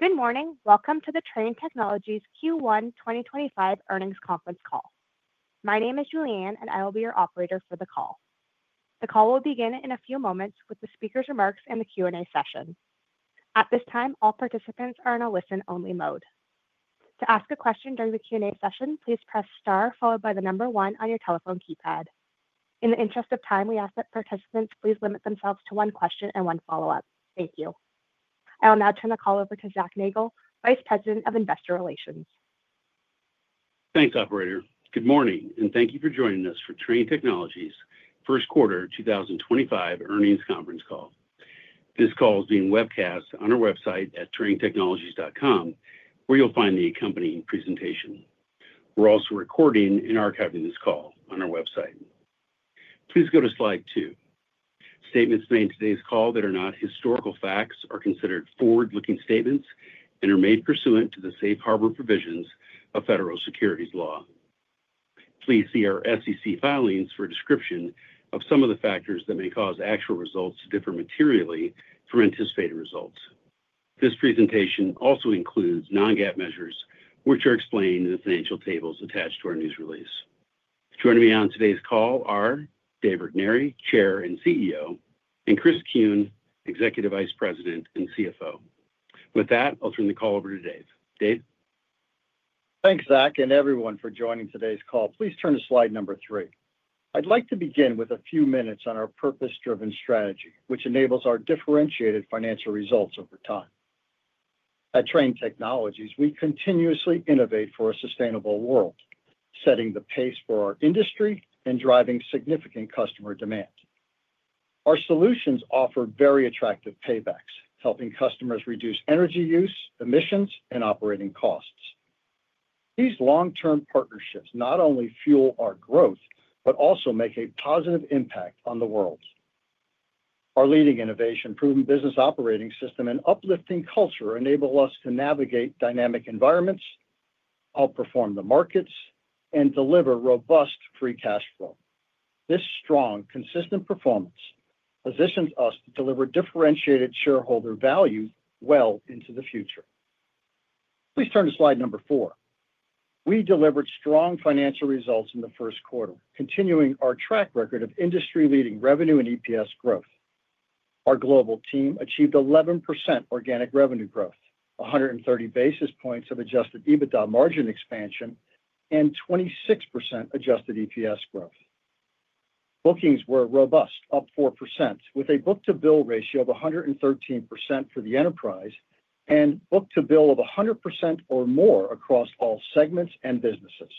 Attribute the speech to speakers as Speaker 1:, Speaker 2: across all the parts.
Speaker 1: Good morning. Welcome to the Trane Technologies Q1 2025 Earnings Conference Call. My name is Julianne, and I will be your operator for the call. The call will begin in a few moments with the speaker's remarks and the Q&A session. At this time, all participants are in a listen-only mode. To ask a question during the Q&A session, please press star followed by the number one on your telephone keypad. In the interest of time, we ask that participants please limit themselves to one question and one follow-up. Thank you. I will now turn the call over to Zac Nagle, Vice President of Investor Relations.
Speaker 2: Thanks, Operator. Good morning, and thank you for joining us for Trane Technologies first quarter 2025 earnings conference call. This call is being webcast on our website at tranetechnologies.com, where you'll find the accompanying presentation. We're also recording and archiving this call on our website. Please go to slide two. Statements made in today's call that are not historical facts are considered forward-looking statements and are made pursuant to the safe harbor provisions of federal securities law. Please see our SEC filings for a description of some of the factors that may cause actual results to differ materially from anticipated results. This presentation also includes non-GAAP measures, which are explained in the financial tables attached to our news release. Joining me on today's call are Dave Regnery, Chair and CEO, and Chris Kuehn, Executive Vice President and CFO. With that, I'll turn the call over to Dave. Dave?
Speaker 3: Thanks, Zac, and everyone for joining today's call. Please turn to slide number three. I'd like to begin with a few minutes on our purpose-driven strategy, which enables our differentiated financial results over time. At Trane Technologies, we continuously innovate for a sustainable world, setting the pace for our industry and driving significant customer demand. Our solutions offer very attractive paybacks, helping customers reduce energy use, emissions, and operating costs. These long-term partnerships not only fuel our growth but also make a positive impact on the world. Our leading innovation, proven business operating system, and uplifting culture enable us to navigate dynamic environments, outperform the markets, and deliver robust free cash flow. This strong, consistent performance positions us to deliver differentiated shareholder value well into the future. Please turn to slide number four. We delivered strong financial results in the first quarter, continuing our track record of industry-leading revenue and EPS growth. Our global team achieved 11% organic revenue growth, 130 basis points of adjusted EBITDA margin expansion, and 26% adjusted EPS growth. Bookings were robust, up 4%, with a book-to-bill ratio of 113% for the enterprise and book-to-bill of 100% or more across all segments and businesses.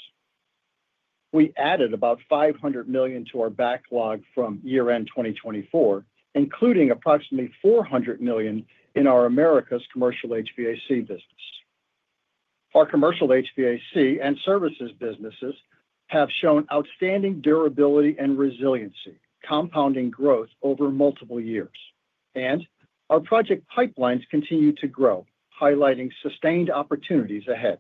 Speaker 3: We added about $500 million to our backlog from year-end 2024, including approximately $400 million in our Americas commercial HVAC business. Our commercial HVAC and services businesses have shown outstanding durability and resiliency, compounding growth over multiple years. Our project pipelines continue to grow, highlighting sustained opportunities ahead.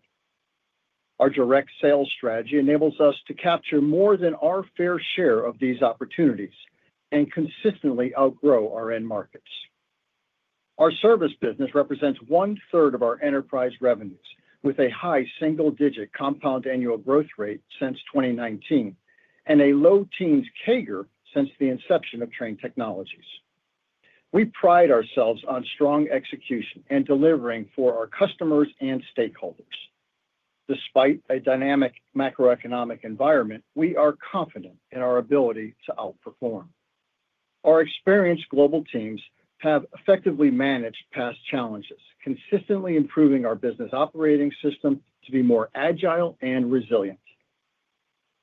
Speaker 3: Our direct sales strategy enables us to capture more than our fair share of these opportunities and consistently outgrow our end markets. Our service business represents one-third of our enterprise revenues, with a high single-digit compound annual growth rate since 2019 and a low teens CAGR since the inception of Trane Technologies. We pride ourselves on strong execution and delivering for our customers and stakeholders. Despite a dynamic macroeconomic environment, we are confident in our ability to outperform. Our experienced global teams have effectively managed past challenges, consistently improving our business operating system to be more agile and resilient.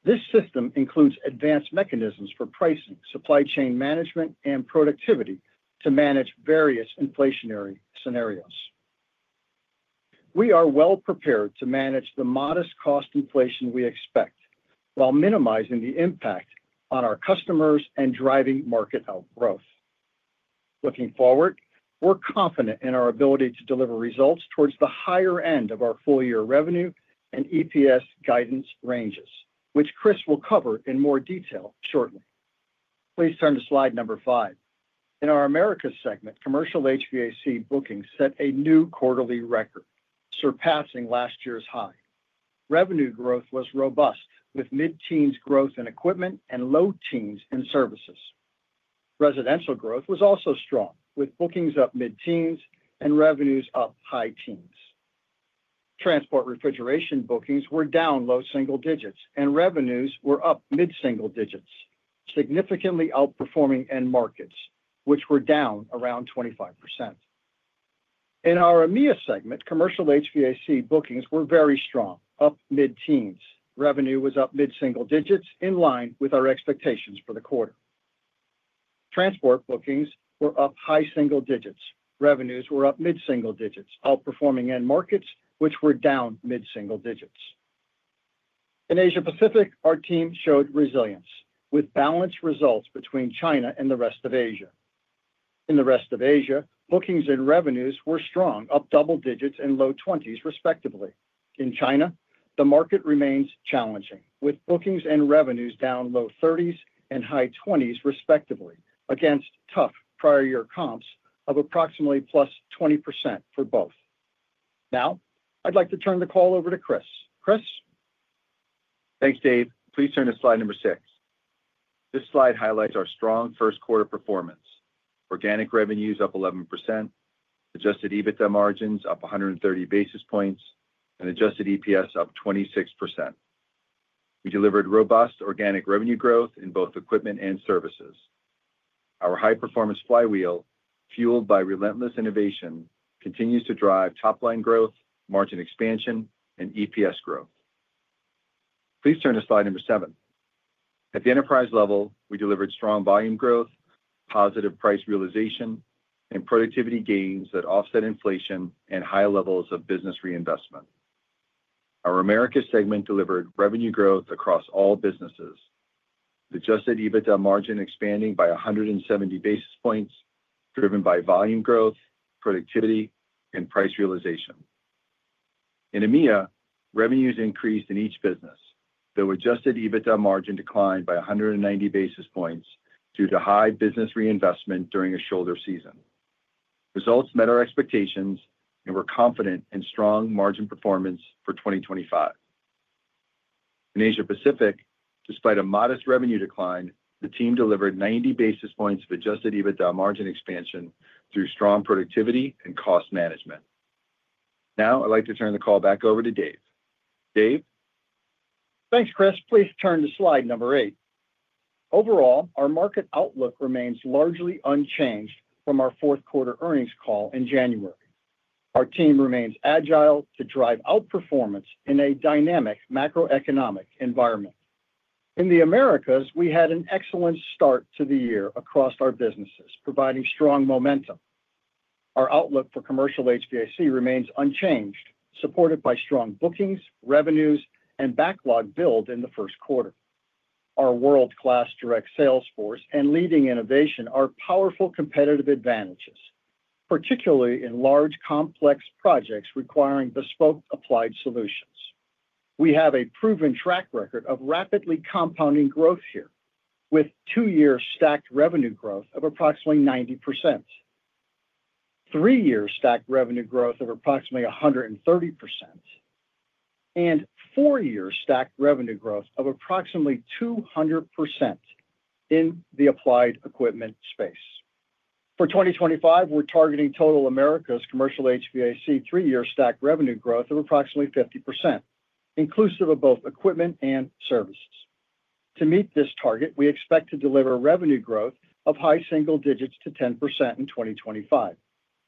Speaker 3: This system includes advanced mechanisms for pricing, supply chain management, and productivity to manage various inflationary scenarios. We are well-prepared to manage the modest cost inflation we expect while minimizing the impact on our customers and driving market outgrowth. Looking forward, we're confident in our ability to deliver results towards the higher end of our full-year revenue and EPS guidance ranges, which Chris will cover in more detail shortly. Please turn to slide number five. In our Americas segment, commercial HVAC bookings set a new quarterly record, surpassing last year's high. Revenue growth was robust, with mid-teens growth in equipment and low teens in services. Residential growth was also strong, with bookings up mid-teens and revenues up high teens. Transport refrigeration bookings were down low single digits, and revenues were up mid-single digits, significantly outperforming end markets, which were down around 25%. In our EMEA segment, commercial HVAC bookings were very strong, up mid-teens. Revenue was up mid-single digits, in line with our expectations for the quarter. Transport bookings were up high single digits. Revenues were up mid-single digits, outperforming end markets, which were down mid-single digits. In Asia-Pacific, our team showed resilience, with balanced results between China and the rest of Asia. In the rest of Asia, bookings and revenues were strong, up double digits and low twenties respectively. In China, the market remains challenging, with bookings and revenues down low thirties and high twenties respectively, against tough prior-year comps of approximately plus 20% for both. Now, I'd like to turn the call over to Chris. Chris?
Speaker 4: Thanks, Dave. Please turn to slide number six. This slide highlights our strong first quarter performance: organic revenues up 11%, adjusted EBITDA margins up 130 basis points, and adjusted EPS up 26%. We delivered robust organic revenue growth in both equipment and services. Our high-performance flywheel, fueled by relentless innovation, continues to drive top-line growth, margin expansion, and EPS growth. Please turn to slide number seven. At the enterprise level, we delivered strong volume growth, positive price realization, and productivity gains that offset inflation and high levels of business reinvestment. Our Americas segment delivered revenue growth across all businesses, with adjusted EBITDA margin expanding by 170 basis points, driven by volume growth, productivity, and price realization. In EMEA, revenues increased in each business, though adjusted EBITDA margin declined by 190 basis points due to high business reinvestment during a shoulder season. Results met our expectations, and we're confident in strong margin performance for 2025. In Asia-Pacific, despite a modest revenue decline, the team delivered 90 basis points of adjusted EBITDA margin expansion through strong productivity and cost management. Now, I'd like to turn the call back over to Dave. Dave?
Speaker 3: Thanks, Chris. Please turn to slide number eight. Overall, our market outlook remains largely unchanged from our fourth quarter earnings call in January. Our team remains agile to drive outperformance in a dynamic macroeconomic environment. In the Americas, we had an excellent start to the year across our businesses, providing strong momentum. Our outlook for commercial HVAC remains unchanged, supported by strong bookings, revenues, and backlog build in the first quarter. Our world-class direct sales force and leading innovation are powerful competitive advantages, particularly in large complex projects requiring bespoke applied solutions. We have a proven track record of rapidly compounding growth here, with two-year stacked revenue growth of approximately 90%, three-year stacked revenue growth of approximately 130%, and four-year stacked revenue growth of approximately 200% in the applied equipment space. For 2025, we're targeting total Americas commercial HVAC three-year stacked revenue growth of approximately 50%, inclusive of both equipment and services. To meet this target, we expect to deliver revenue growth of high single digits to 10% in 2025,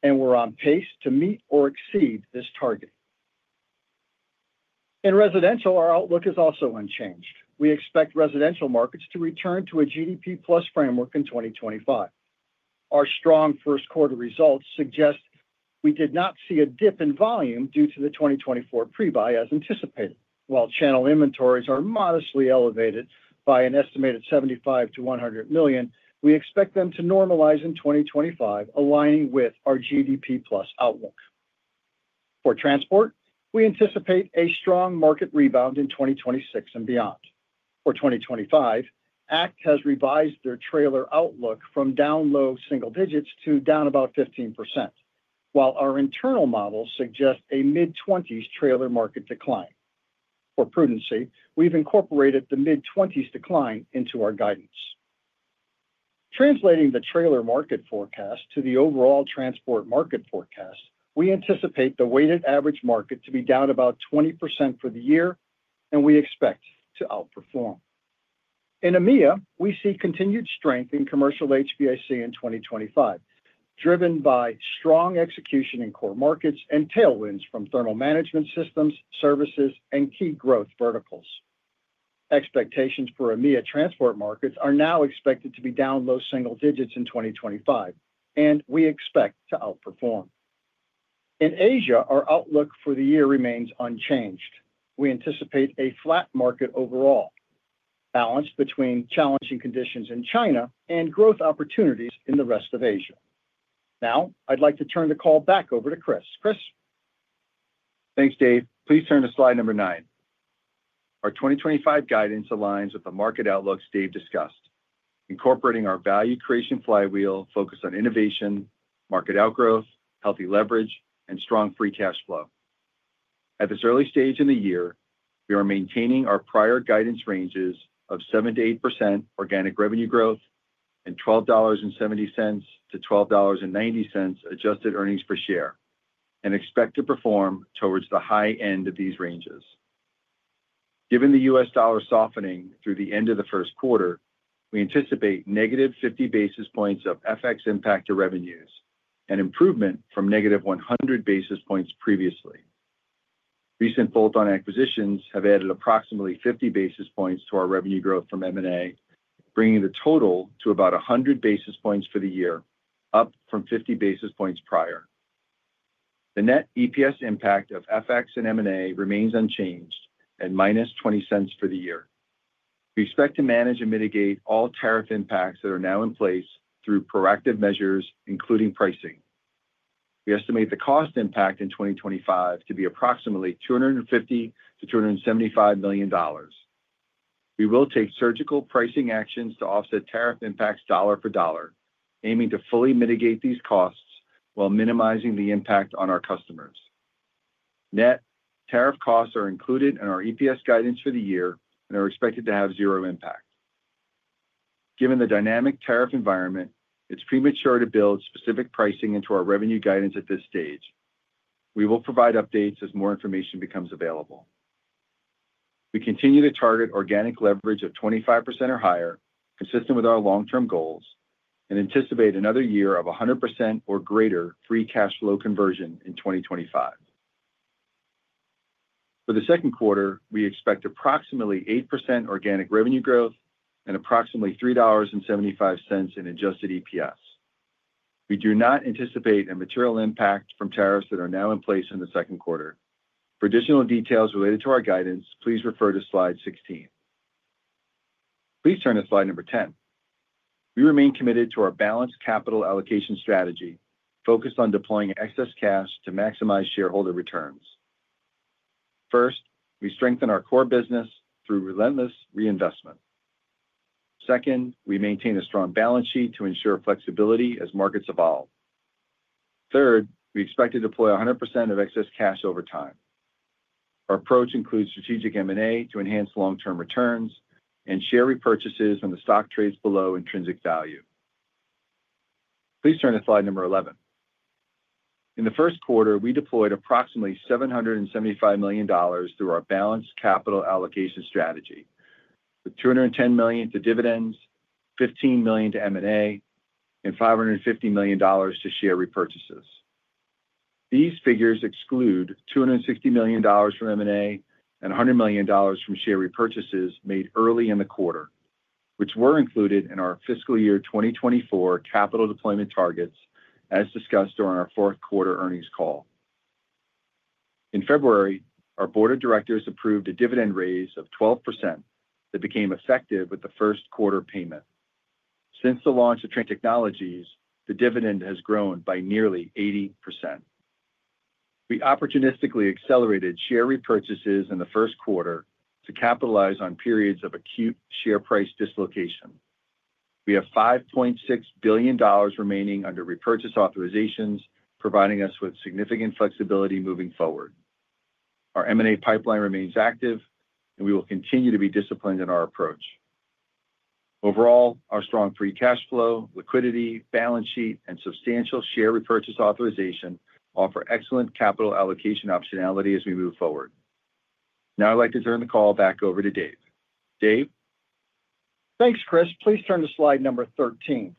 Speaker 3: and we're on pace to meet or exceed this target. In residential, our outlook is also unchanged. We expect residential markets to return to a GDP-plus framework in 2025. Our strong first quarter results suggest we did not see a dip in volume due to the 2024 prebuy as anticipated. While channel inventories are modestly elevated by an estimated $75 to 100 million, we expect them to normalize in 2025, aligning with our GDP-plus outlook. For transport, we anticipate a strong market rebound in 2026 and beyond. For 2025, ACT has revised their trailer outlook from down low single digits to down about 15%, while our internal models suggest a mid-20s trailer market decline. For prudency, we've incorporated the mid-20s decline into our guidance. Translating the trailer market forecast to the overall transport market forecast, we anticipate the weighted average market to be down about 20% for the year, and we expect to outperform. In EMEA, we see continued strength in commercial HVAC in 2025, driven by strong execution in core markets and tailwinds from thermal management systems, services, and key growth verticals. Expectations for EMEA transport markets are now expected to be down low single digits in 2025, and we expect to outperform. In Asia, our outlook for the year remains unchanged. We anticipate a flat market overall, balanced between challenging conditions in China and growth opportunities in the rest of Asia. Now, I'd like to turn the call back over to Chris. Chris?
Speaker 4: Thanks, Dave. Please turn to slide number nine. Our 2025 guidance aligns with the market outlooks Dave discussed, incorporating our value creation flywheel focused on innovation, market outgrowth, healthy leverage, and strong free cash flow. At this early stage in the year, we are maintaining our prior guidance ranges of 7% to 8% organic revenue growth and $12.70 to 12.90 adjusted earnings per share, and expect to perform towards the high end of these ranges. Given the US dollar softening through the end of the first quarter, we anticipate negative 50 basis points of FX impact to revenues and improvement from negative 100 basis points previously. Recent bolt-on acquisitions have added approximately 50 basis points to our revenue growth from M&A, bringing the total to about 100 basis points for the year, up from 50 basis points prior. The net EPS impact of FX and M&A remains unchanged at minus $0.20 for the year. We expect to manage and mitigate all tariff impacts that are now in place through proactive measures, including pricing. We estimate the cost impact in 2025 to be approximately $250 to 275 million. We will take surgical pricing actions to offset tariff impacts dollar for dollar, aiming to fully mitigate these costs while minimizing the impact on our customers. Net tariff costs are included in our EPS guidance for the year and are expected to have zero impact. Given the dynamic tariff environment, it's premature to build specific pricing into our revenue guidance at this stage. We will provide updates as more information becomes available. We continue to target organic leverage of 25% or higher, consistent with our long-term goals, and anticipate another year of 100% or greater free cash flow conversion in 2025. For the second quarter, we expect approximately 8% organic revenue growth and approximately $3.75 in adjusted EPS. We do not anticipate a material impact from tariffs that are now in place in the second quarter. For additional details related to our guidance, please refer to slide 16. Please turn to slide number 10. We remain committed to our balanced capital allocation strategy, focused on deploying excess cash to maximize shareholder returns. First, we strengthen our core business through relentless reinvestment. Second, we maintain a strong balance sheet to ensure flexibility as markets evolve. Third, we expect to deploy 100% of excess cash over time. Our approach includes strategic M&A to enhance long-term returns and share repurchases when the stock trades below intrinsic value. Please turn to slide number 11. In the first quarter, we deployed approximately $775 million through our balanced capital allocation strategy, with $210 million to dividends, $15 million to M&A, and $550 million to share repurchases. These figures exclude $260 million from M&A and $100 million from share repurchases made early in the quarter, which were included in our fiscal year 2024 capital deployment targets as discussed during our fourth quarter earnings call. In February, our board of directors approved a dividend raise of 12% that became effective with the first quarter payment. Since the launch of Trane Technologies, the dividend has grown by nearly 80%. We opportunistically accelerated share repurchases in the first quarter to capitalize on periods of acute share price dislocation. We have $5.6 billion remaining under repurchase authorizations, providing us with significant flexibility moving forward. Our M&A pipeline remains active, and we will continue to be disciplined in our approach. Overall, our strong free cash flow, liquidity, balance sheet, and substantial share repurchase authorization offer excellent capital allocation optionality as we move forward. Now, I'd like to turn the call back over to Dave. Dave?
Speaker 3: Thanks, Chris. Please turn to slide number 13.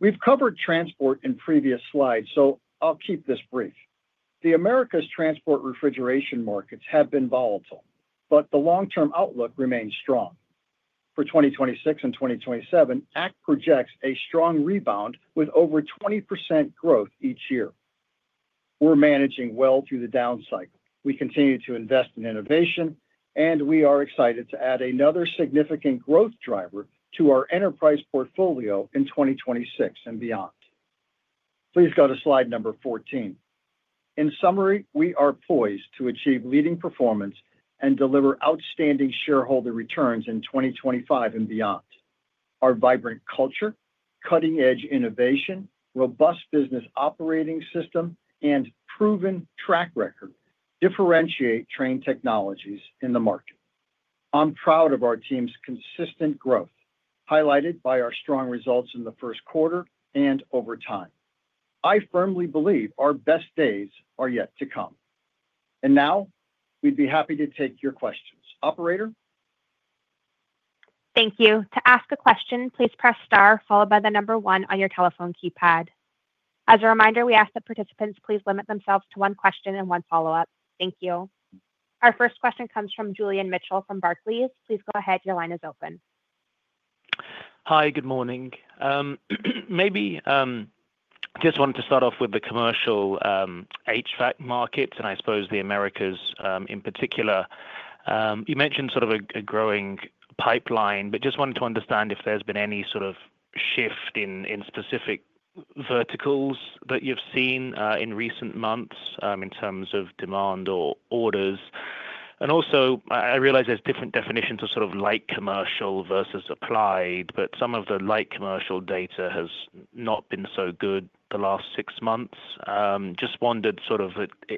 Speaker 3: We've covered transport in previous slides, so I'll keep this brief. The Americas transport refrigeration markets have been volatile, but the long-term outlook remains strong. For 2026 and 2027, ACT projects a strong rebound with over 20% growth each year. We're managing well through the down cycle. We continue to invest in innovation, and we are excited to add another significant growth driver to our enterprise portfolio in 2026 and beyond. Please go to slide number 14. In summary, we are poised to achieve leading performance and deliver outstanding shareholder returns in 2025 and beyond. Our vibrant culture, cutting-edge innovation, robust business operating system, and proven track record differentiate Trane Technologies in the market. I'm proud of our team's consistent growth, highlighted by our strong results in the first quarter and over time. I firmly believe our best days are yet to come. We would be happy to take your questions. Operator?
Speaker 1: Thank you. To ask a question, please press star, followed by the number one on your telephone keypad. As a reminder, we ask that participants please limit themselves to one question and one follow-up. Thank you. Our first question comes from Julian Mitchell from Barclays. Please go ahead. Your line is open.
Speaker 5: Hi, good morning. Maybe I just wanted to start off with the commercial HVAC markets and I suppose the Americas in particular. You mentioned sort of a growing pipeline, but just wanted to understand if there's been any sort of shift in specific verticals that you've seen in recent months in terms of demand or orders. Also, I realize there's different definitions of sort of light commercial versus applied, but some of the light commercial data has not been so good the last six months. Just wondered,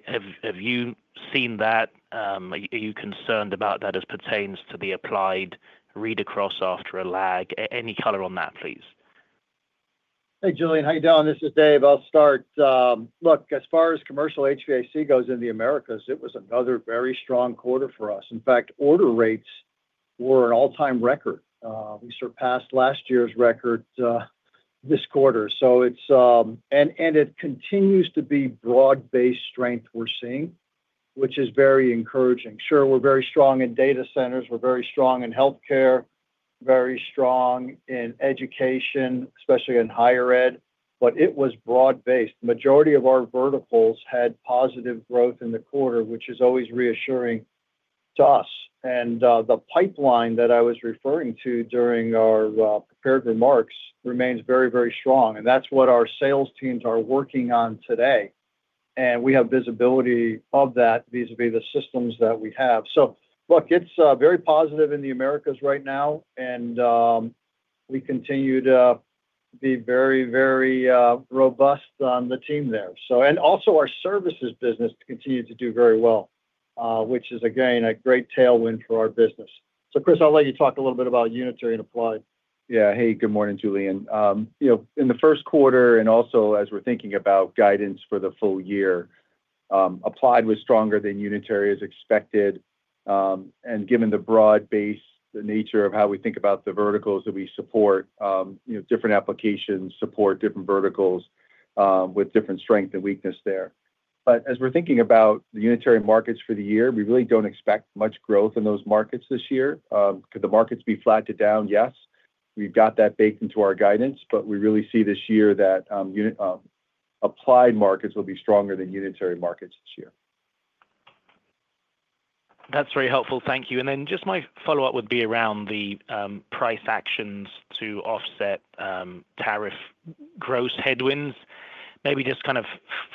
Speaker 5: have you seen that? Are you concerned about that as pertains to the applied read across after a lag? Any color on that, please?
Speaker 3: Hey, Julian. How you doing? This is Dave. I'll start. Look, as far as commercial HVAC goes in the Americas, it was another very strong quarter for us. In fact, order rates were an all-time record. We surpassed last year's record this quarter. It continues to be broad-based strength we're seeing, which is very encouraging. Sure, we're very strong in data centers. We're very strong in healthcare, very strong in education, especially in higher ed, but it was broad-based. The majority of our verticals had positive growth in the quarter, which is always reassuring to us. The pipeline that I was referring to during our prepared remarks remains very, very strong. That is what our sales teams are working on today. We have visibility of that vis-à-vis the systems that we have. Look, it's very positive in the Americas right now, and we continue to be very, very robust on the team there. Also, our services business continues to do very well, which is, again, a great tailwind for our business. Chris, I'll let you talk a little bit about Unitary and Applied.
Speaker 4: Yeah. Hey, good morning, Julian. In the first quarter, and also as we're thinking about guidance for the full year, Applied was stronger than Unitary as expected. Given the broad-based nature of how we think about the verticals that we support, different applications support different verticals with different strength and weakness there. As we're thinking about the Unitary markets for the year, we really do not expect much growth in those markets this year. Could the markets be flat to down? Yes. We've got that baked into our guidance, but we really see this year that Applied markets will be stronger than Unitary markets this year.
Speaker 5: That's very helpful. Thank you. My follow-up would be around the price actions to offset tariff growth headwinds. Maybe just kind of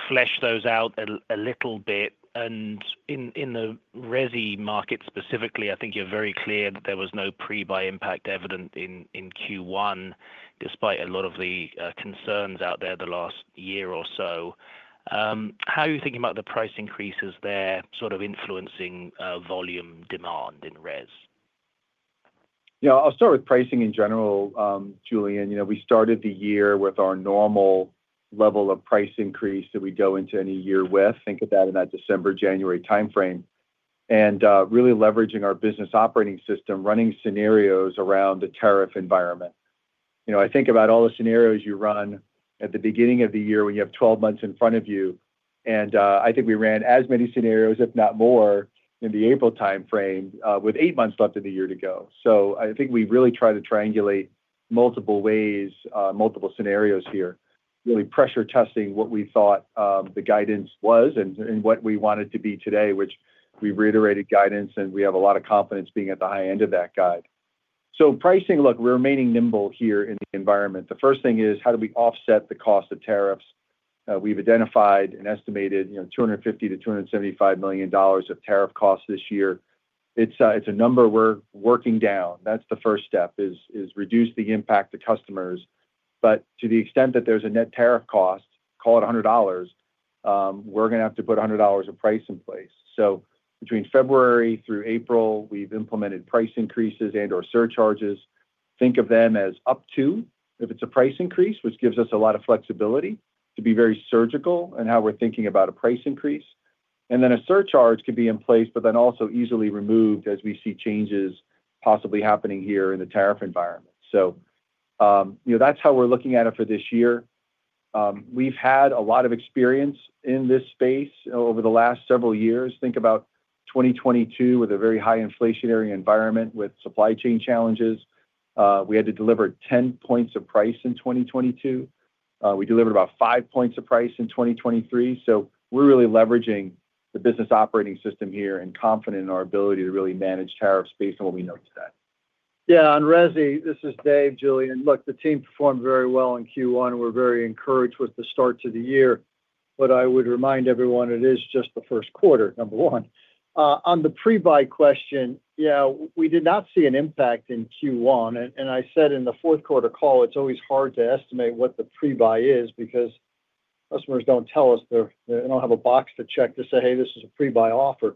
Speaker 5: flesh those out a little bit. In the RESI market specifically, I think you're very clear that there was no prebuy impact evident in Q1, despite a lot of the concerns out there the last year or so. How are you thinking about the price increases there sort of influencing volume demand in res?
Speaker 4: Yeah. I'll start with pricing in general, Julian. We started the year with our normal level of price increase that we go into any year with. Think of that in that December, January timeframe. Really leveraging our business operating system, running scenarios around the tariff environment. I think about all the scenarios you run at the beginning of the year when you have 12 months in front of you. I think we ran as many scenarios, if not more, in the April timeframe with eight months left in the year to go. I think we really try to triangulate multiple ways, multiple scenarios here, really pressure testing what we thought the guidance was and what we wanted to be today, which we reiterated guidance, and we have a lot of confidence being at the high end of that guide. Pricing, look, we're remaining nimble here in the environment. The first thing is, how do we offset the cost of tariffs? We've identified and estimated $250 to 275 million of tariff costs this year. It's a number we're working down. That's the first step, is reduce the impact to customers. To the extent that there's a net tariff cost, call it $100, we're going to have to put $100 of price in place. Between February through April, we've implemented price increases and/or surcharges. Think of them as up to if it's a price increase, which gives us a lot of flexibility to be very surgical in how we're thinking about a price increase. A surcharge could be in place, but then also easily removed as we see changes possibly happening here in the tariff environment. That's how we're looking at it for this year. We've had a lot of experience in this space over the last several years. Think about 2022 with a very high inflationary environment with supply chain challenges. We had to deliver 10% of price in 2022. We delivered about 5% of price in 2023. We are really leveraging the business operating system here and confident in our ability to really manage tariffs based on what we know today.
Speaker 3: Yeah. On RESI, this is Dave, Julian. Look, the team performed very well in Q1. We're very encouraged with the start to the year. I would remind everyone, it is just the first quarter, number one. On the prebuy question, yeah, we did not see an impact in Q1. I said in the fourth quarter call, it's always hard to estimate what the prebuy is because customers do not tell us. They do not have a box to check to say, "Hey, this is a prebuy offer."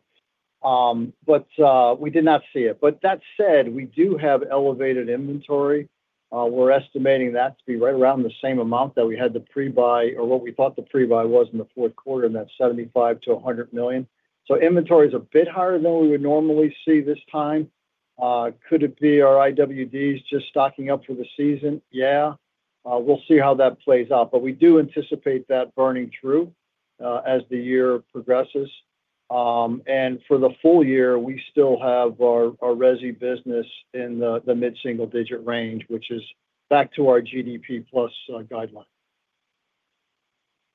Speaker 3: We did not see it. That said, we do have elevated inventory. We're estimating that to be right around the same amount that we had the prebuy or what we thought the prebuy was in the fourth quarter, and that's $75 to 100 million. Inventory is a bit higher than we would normally see this time. Could it be our IWDs just stocking up for the season? Yeah. We'll see how that plays out. We do anticipate that burning through as the year progresses. For the full year, we still have our RESI business in the mid-single-digit range, which is back to our GDP plus guideline.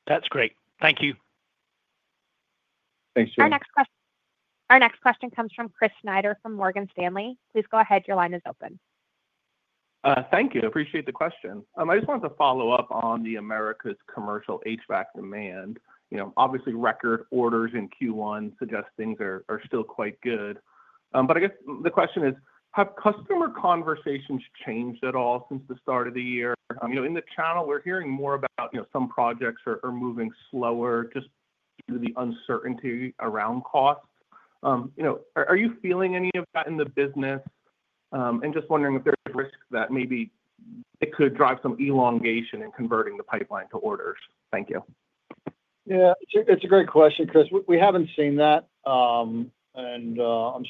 Speaker 5: That's great. Thank you.
Speaker 3: Thanks, Julian.
Speaker 1: Our next question comes from Chris Snyder from Morgan Stanley. Please go ahead. Your line is open.
Speaker 6: Thank you. Appreciate the question. I just wanted to follow up on the Americas commercial HVAC demand. Obviously, record orders in Q1 suggest things are still quite good. I guess the question is, have customer conversations changed at all since the start of the year? In the channel, we're hearing more about some projects are moving slower just due to the uncertainty around costs. Are you feeling any of that in the business? I am just wondering if there's a risk that maybe it could drive some elongation in converting the pipeline to orders. Thank you.
Speaker 3: Yeah. It's a great question, Chris. We haven't seen that. I'm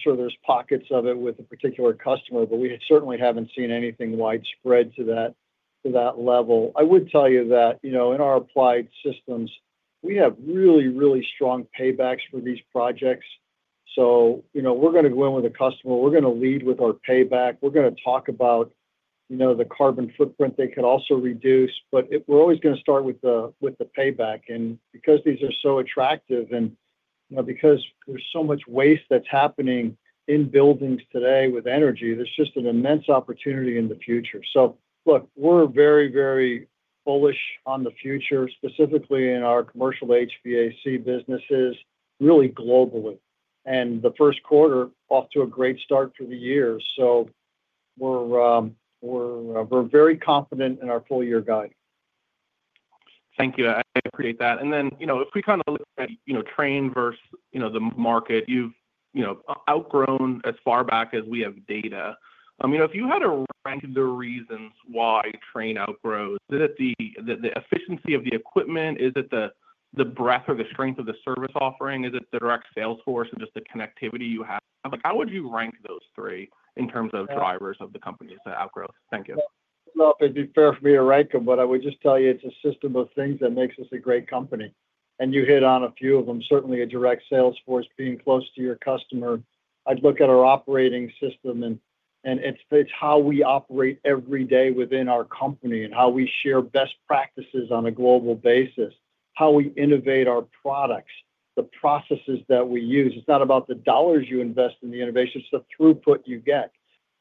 Speaker 3: sure there's pockets of it with a particular customer, but we certainly haven't seen anything widespread to that level. I would tell you that in our applied systems, we have really, really strong paybacks for these projects. We're going to go in with a customer. We're going to lead with our payback. We're going to talk about the carbon footprint they could also reduce. We're always going to start with the payback. Because these are so attractive and because there's so much waste that's happening in buildings today with energy, there's just an immense opportunity in the future. Look, we're very, very bullish on the future, specifically in our commercial HVAC businesses, really globally. The first quarter is off to a great start for the year. We're very confident in our full-year guide.
Speaker 6: Thank you. I appreciate that. If we kind of look at Trane versus the market, you've outgrown as far back as we have data. If you had to rank the reasons why Trane outgrows, is it the efficiency of the equipment? Is it the breadth or the strength of the service offering? Is it the direct sales force and just the connectivity you have? How would you rank those three in terms of drivers of the company's outgrowth? Thank you.
Speaker 3: It'd be fair for me to rank them, but I would just tell you it's a system of things that makes us a great company. You hit on a few of them, certainly a direct sales force being close to your customer. I'd look at our operating system, and it's how we operate every day within our company and how we share best practices on a global basis, how we innovate our products, the processes that we use. It's not about the dollars you invest in the innovation. It's the throughput you get.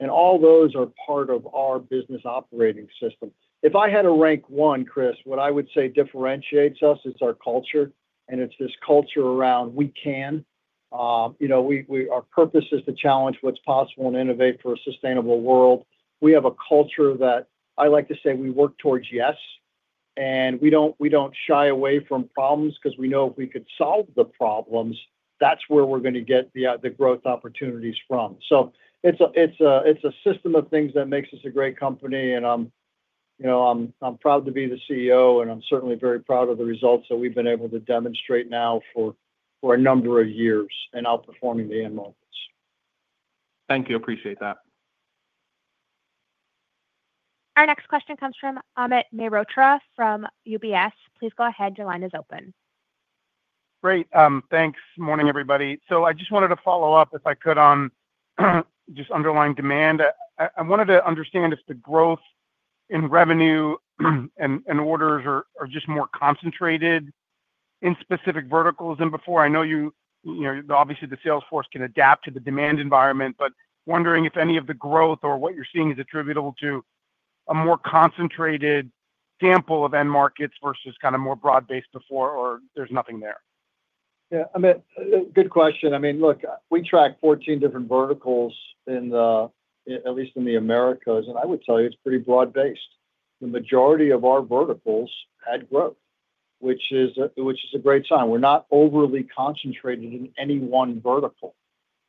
Speaker 3: All those are part of our business operating system. If I had to rank one, Chris, what I would say differentiates us is our culture. It's this culture around we can. Our purpose is to challenge what's possible and innovate for a sustainable world. We have a culture that I like to say we work towards yes. We do not shy away from problems because we know if we could solve the problems, that's where we're going to get the growth opportunities from. It is a system of things that makes us a great company. I am proud to be the CEO, and I am certainly very proud of the results that we've been able to demonstrate now for a number of years and outperforming the end markets.
Speaker 6: Thank you. Appreciate that.
Speaker 1: Our next question comes from Amit Mehrotra from UBS. Please go ahead. Your line is open.
Speaker 7: Great. Thanks. Morning, everybody. I just wanted to follow up, if I could, on just underlying demand. I wanted to understand if the growth in revenue and orders are just more concentrated in specific verticals than before. I know obviously the sales force can adapt to the demand environment, but wondering if any of the growth or what you're seeing is attributable to a more concentrated sample of end markets versus kind of more broad-based before or there's nothing there.
Speaker 3: Yeah. Good question. I mean, look, we track 14 different verticals, at least in the Americas. I would tell you it's pretty broad-based. The majority of our verticals had growth, which is a great sign. We're not overly concentrated in any one vertical.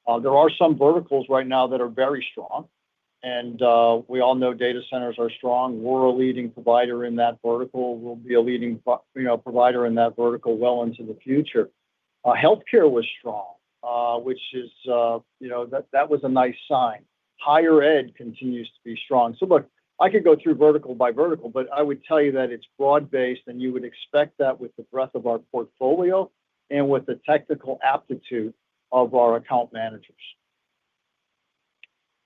Speaker 3: There are some verticals right now that are very strong. We all know data centers are strong. We're a leading provider in that vertical. We'll be a leading provider in that vertical well into the future. Healthcare was strong, which is that was a nice sign. Higher ed continues to be strong. I could go through vertical by vertical, but I would tell you that it's broad-based, and you would expect that with the breadth of our portfolio and with the technical aptitude of our account managers.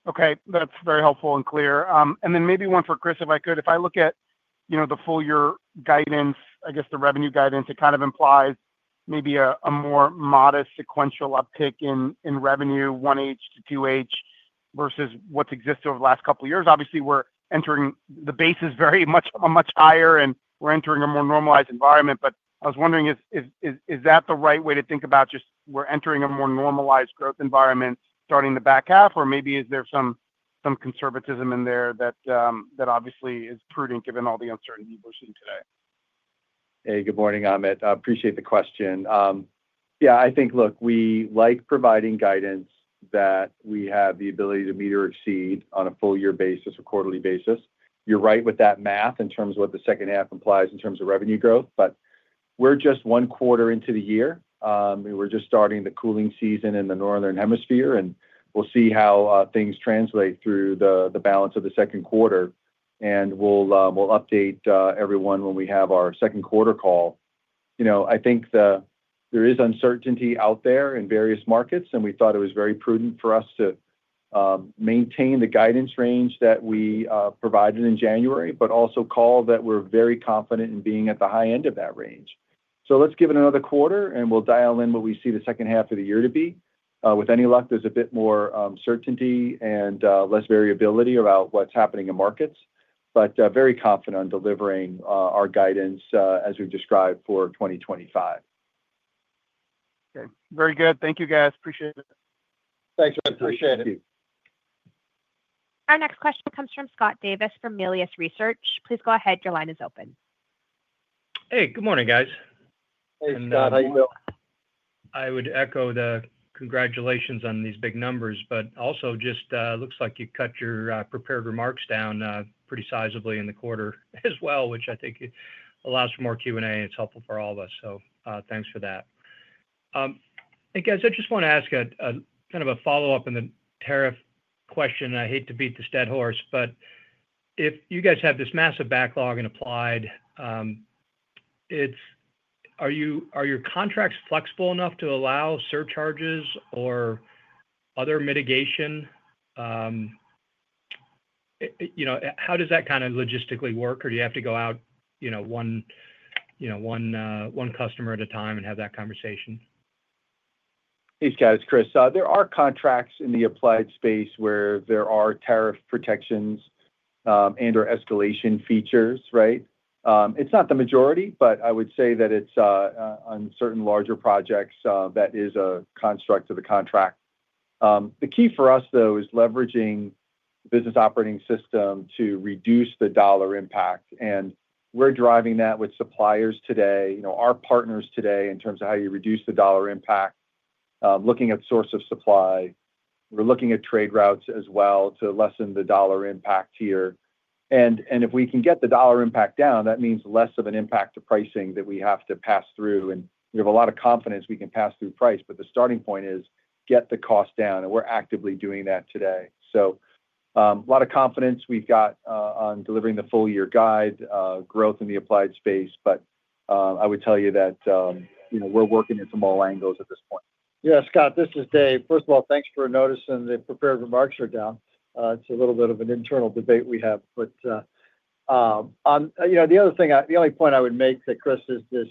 Speaker 7: Okay. That's very helpful and clear. Maybe one for Chris, if I could. If I look at the full-year guidance, I guess the revenue guidance, it kind of implies maybe a more modest sequential uptick in revenue, 1H to 2H versus what's existed over the last couple of years. Obviously, the base is very much higher, and we're entering a more normalized environment. I was wondering, is that the right way to think about just we're entering a more normalized growth environment starting the back half? Or maybe is there some conservatism in there that obviously is prudent given all the uncertainty we're seeing today?
Speaker 4: Hey, good morning, Amit. I appreciate the question. Yeah. I think, look, we like providing guidance that we have the ability to meet or exceed on a full-year basis or quarterly basis. You're right with that math in terms of what the second half implies in terms of revenue growth. We're just one quarter into the year. We're just starting the cooling season in the Northern Hemisphere. We will see how things translate through the balance of the second quarter. We will update everyone when we have our second quarter call. I think there is uncertainty out there in various markets. We thought it was very prudent for us to maintain the guidance range that we provided in January, but also call that we're very confident in being at the high end of that range. Let's give it another quarter, and we'll dial in what we see the second half of the year to be. With any luck, there's a bit more certainty and less variability about what's happening in markets. Very confident on delivering our guidance as we've described for 2025.
Speaker 7: Okay. Very good. Thank you, guys. Appreciate it.
Speaker 4: Thanks, guys. Appreciate it.
Speaker 3: Thank you.
Speaker 1: Our next question comes from Scott Davis from Melius Research. Please go ahead. Your line is open.
Speaker 8: Hey. Good morning, guys.
Speaker 4: Hey, Scott. How are you doing?
Speaker 8: I would echo the congratulations on these big numbers, but also just looks like you cut your prepared remarks down pretty sizably in the quarter as well, which I think allows for more Q&A. It's helpful for all of us. Thanks for that. Hey, guys, I just want to ask kind of a follow-up in the tariff question. I hate to beat the stead horse, but if you guys have this massive backlog in applied, are your contracts flexible enough to allow surcharges or other mitigation? How does that kind of logistically work? Or do you have to go out one customer at a time and have that conversation?
Speaker 4: Hey, guys, Chris. There are contracts in the applied space where there are tariff protections and/or escalation features, right? It's not the majority, but I would say that it's on certain larger projects that is a construct of the contract. The key for us, though, is leveraging the business operating system to reduce the dollar impact. We're driving that with suppliers today, our partners today in terms of how you reduce the dollar impact, looking at source of supply. We're looking at trade routes as well to lessen the dollar impact here. If we can get the dollar impact down, that means less of an impact to pricing that we have to pass through. We have a lot of confidence we can pass through price. The starting point is get the cost down. We're actively doing that today. A lot of confidence we've got on delivering the full-year guide, growth in the applied space. I would tell you that we're working at some all angles at this point.
Speaker 3: Yeah. Scott, this is Dave. First of all, thanks for noticing the prepared remarks are down. It's a little bit of an internal debate we have. The other thing, the only point I would make that, Chris, is this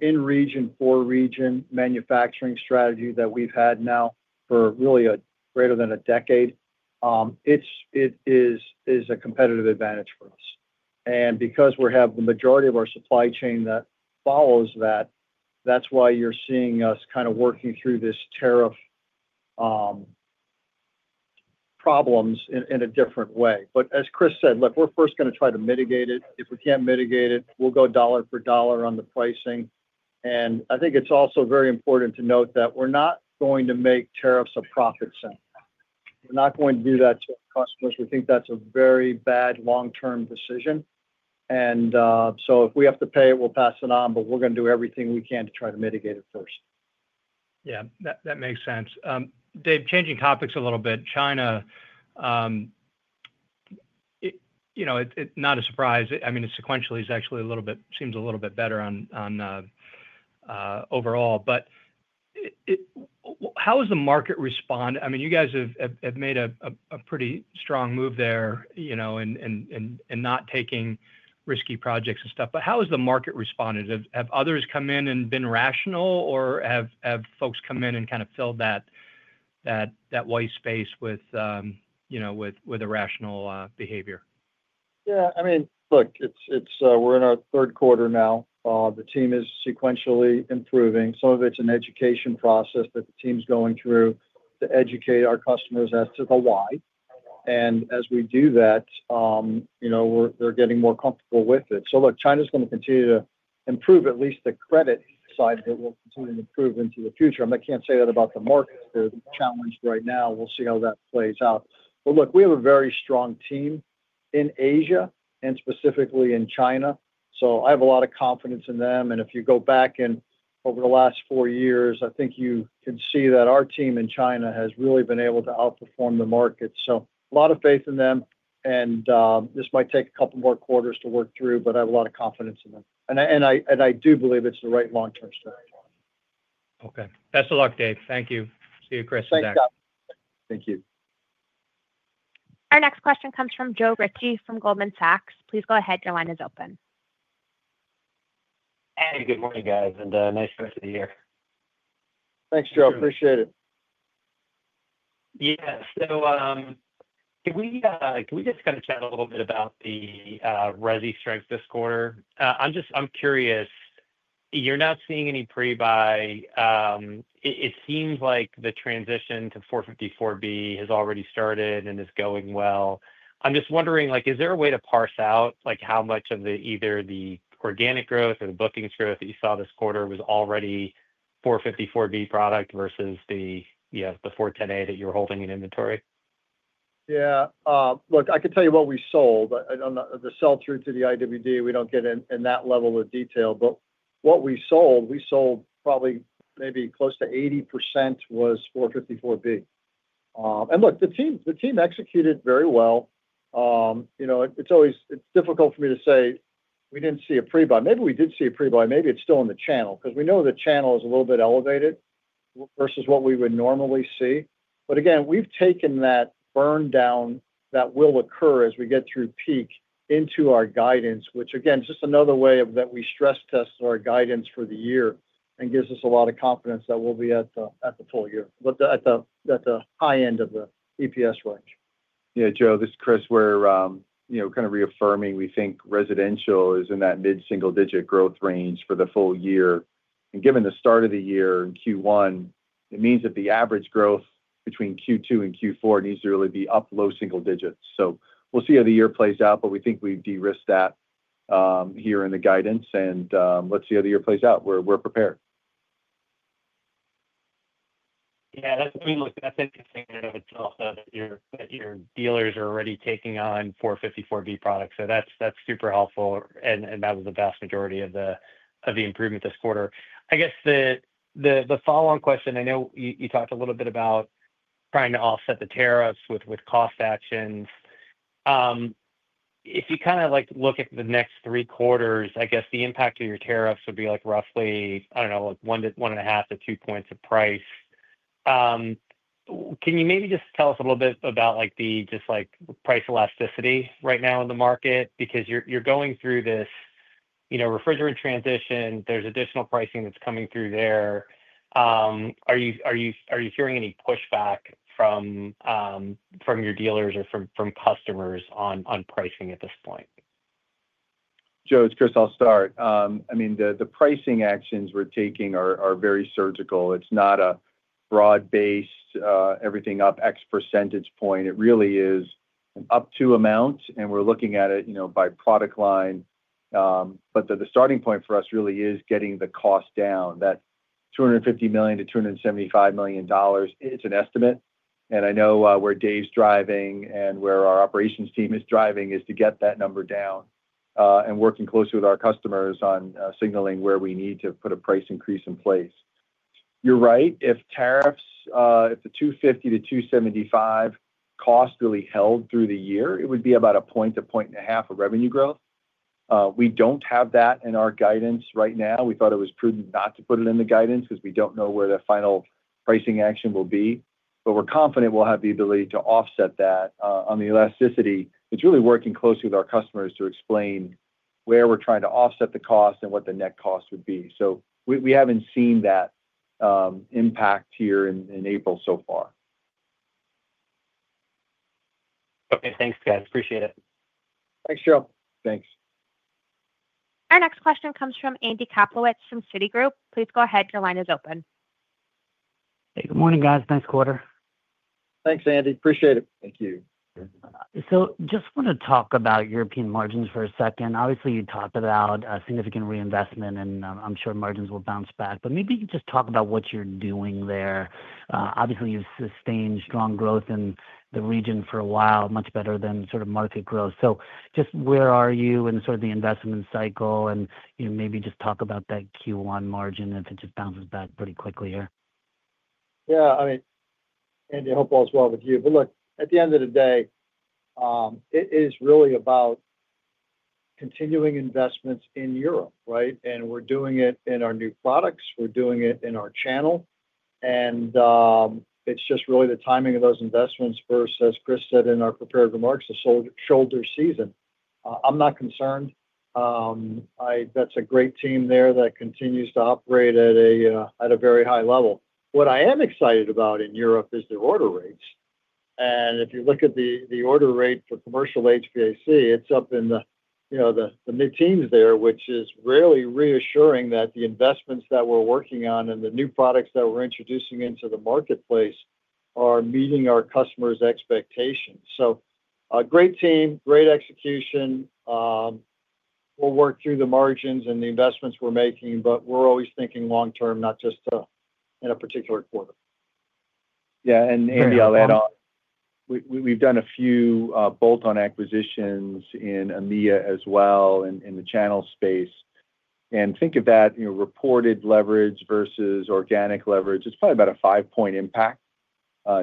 Speaker 3: in-region, for-region manufacturing strategy that we've had now for really greater than a decade, it is a competitive advantage for us. Because we have the majority of our supply chain that follows that, that's why you're seeing us kind of working through this tariff problems in a different way. As Chris said, look, we're first going to try to mitigate it. If we can't mitigate it, we'll go dollar for dollar on the pricing. I think it's also very important to note that we're not going to make tariffs a profit center. We're not going to do that to our customers. We think that's a very bad long-term decision. If we have to pay it, we'll pass it on. We're going to do everything we can to try to mitigate it first.
Speaker 8: Yeah. That makes sense. Dave, changing topics a little bit. China, not a surprise. I mean, sequentially, it actually seems a little bit better overall. How has the market responded? I mean, you guys have made a pretty strong move there in not taking risky projects and stuff. How has the market responded? Have others come in and been rational? Or have folks come in and kind of filled that white space with irrational behavior?
Speaker 3: Yeah. I mean, look, we're in our third quarter now. The team is sequentially improving. Some of it's an education process that the team's going through to educate our customers as to the why. As we do that, they're getting more comfortable with it. Look, China's going to continue to improve, at least the credit side, that will continue to improve into the future. I can't say that about the markets. They're challenged right now. We'll see how that plays out. We have a very strong team in Asia and specifically in China. I have a lot of confidence in them. If you go back over the last four years, I think you can see that our team in China has really been able to outperform the market. A lot of faith in them. This might take a couple more quarters to work through, but I have a lot of confidence in them. I do believe it's the right long-term strategy.
Speaker 8: Okay. Best of luck, Dave. Thank you. See you, Chris, in a day.
Speaker 3: Thanks, Scott.
Speaker 4: Thank you.
Speaker 1: Our next question comes from Joe Ritchie from Goldman Sachs. Please go ahead. Your line is open.
Speaker 9: Hey. Good morning, guys. And nice rest of the year.
Speaker 3: Thanks, Joe. Appreciate it.
Speaker 9: Yeah. Can we just kind of chat a little bit about the RESI strength this quarter? I'm curious. You're not seeing any pre-buy. It seems like the transition to 454B has already started and is going well. I'm just wondering, is there a way to parse out how much of either the organic growth or the bookings growth that you saw this quarter was already 454B product versus the 410A that you were holding in inventory?
Speaker 3: Yeah. Look, I can tell you what we sold. The sell-through to the IWD, we do not get in that level of detail. What we sold, we sold probably maybe close to 80% was 454B. Look, the team executed very well. It is difficult for me to say we did not see a pre-buy. Maybe we did see a pre-buy. Maybe it is still in the channel because we know the channel is a little bit elevated versus what we would normally see. Again, we have taken that burndown that will occur as we get through peak into our guidance, which, again, is just another way that we stress test our guidance for the year and gives us a lot of confidence that we will be at the full year, at the high end of the EPS range.
Speaker 4: Yeah. Joe, this is Chris. We're kind of reaffirming we think residential is in that mid-single-digit growth range for the full year. Given the start of the year in Q1, it means that the average growth between Q2 and Q4 needs to really be up low single digits. We will see how the year plays out. We think we've de-risked that here in the guidance. Let's see how the year plays out. We're prepared.
Speaker 9: Yeah. I mean, look, that's interesting in and of itself that your dealers are already taking on 454B products. That's super helpful. That was the vast majority of the improvement this quarter. I guess the follow-on question, I know you talked a little bit about trying to offset the tariffs with cost actions. If you kind of look at the next three quarters, I guess the impact of your tariffs would be roughly, I don't know, one and a half to two points of price. Can you maybe just tell us a little bit about just price elasticity right now in the market? Because you're going through this refrigerant transition. There's additional pricing that's coming through there. Are you hearing any pushback from your dealers or from customers on pricing at this point?
Speaker 4: Joe, it's Chris. I'll start. I mean, the pricing actions we're taking are very surgical. It's not a broad-based everything-up X percentage point. It really is an up-to amount. We're looking at it by product line. The starting point for us really is getting the cost down. That $250 to 275 million, it's an estimate. I know where Dave's driving and where our operations team is driving is to get that number down and working closely with our customers on signaling where we need to put a price increase in place. You're right. If the $250 to 275 million cost really held through the year, it would be about a point to point and a half of revenue growth. We don't have that in our guidance right now. We thought it was prudent not to put it in the guidance because we don't know where the final pricing action will be. We are confident we'll have the ability to offset that. On the elasticity, it's really working closely with our customers to explain where we're trying to offset the cost and what the net cost would be. We haven't seen that impact here in April so far.
Speaker 9: Okay. Thanks, guys. Appreciate it.
Speaker 3: Thanks, Joe.
Speaker 4: Thanks.
Speaker 1: Our next question comes from Andy Kaplowitz from Citigroup. Please go ahead. Your line is open.
Speaker 10: Hey. Good morning, guys. Nice quarter.
Speaker 3: Thanks, Andy. Appreciate it.
Speaker 4: Thank you.
Speaker 10: I just want to talk about European margins for a second. Obviously, you talked about significant reinvestment. I'm sure margins will bounce back. Maybe you can just talk about what you're doing there. Obviously, you've sustained strong growth in the region for a while, much better than sort of market growth. Where are you in sort of the investment cycle? Maybe just talk about that Q1 margin if it just bounces back pretty quickly here.
Speaker 3: Yeah. I mean, Andy, I hope all's well with you. Look, at the end of the day, it is really about continuing investments in Europe, right? We're doing it in our new products. We're doing it in our channel. It's just really the timing of those investments versus, as Chris said in our prepared remarks, the shoulder season. I'm not concerned. That's a great team there that continues to operate at a very high level. What I am excited about in Europe is their order rates. If you look at the order rate for commercial HVAC, it's up in the mid-teens there, which is really reassuring that the investments that we're working on and the new products that we're introducing into the marketplace are meeting our customers' expectations. Great team, great execution. We'll work through the margins and the investments we're making. We're always thinking long-term, not just in a particular quarter.
Speaker 4: Yeah. Andy, I'll add on. We've done a few bolt-on acquisitions in EMEA as well in the channel space. Think of that reported leverage versus organic leverage. It's probably about a five-point impact,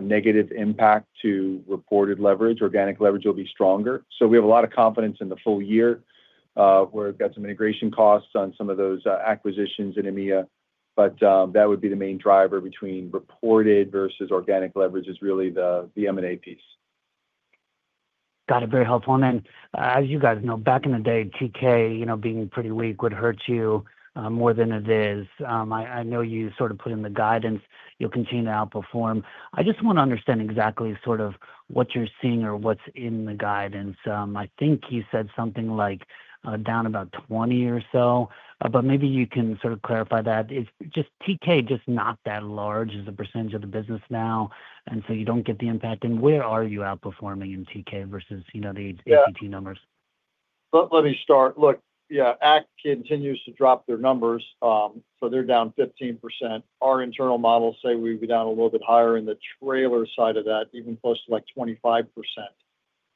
Speaker 4: negative impact to reported leverage. Organic leverage will be stronger. We have a lot of confidence in the full-year. We've got some integration costs on some of those acquisitions in EMEA. That would be the main driver between reported versus organic leverage, it is really the M&A piece.
Speaker 10: Got it. Very helpful. As you guys know, back in the day, TK being pretty weak would hurt you more than it is. I know you sort of put in the guidance. You'll continue to outperform. I just want to understand exactly sort of what you're seeing or what's in the guidance. I think you said something like down about 20 or so. Maybe you can sort of clarify that. Is just TK just not that large as a percentage of the business now? You don't get the impact. Where are you outperforming in TK versus the ACT numbers?
Speaker 3: Yeah. Let me start. Look, yeah, ACT continues to drop their numbers. So they're down 15%. Our internal models say we'd be down a little bit higher in the trailer side of that, even close to like 25%.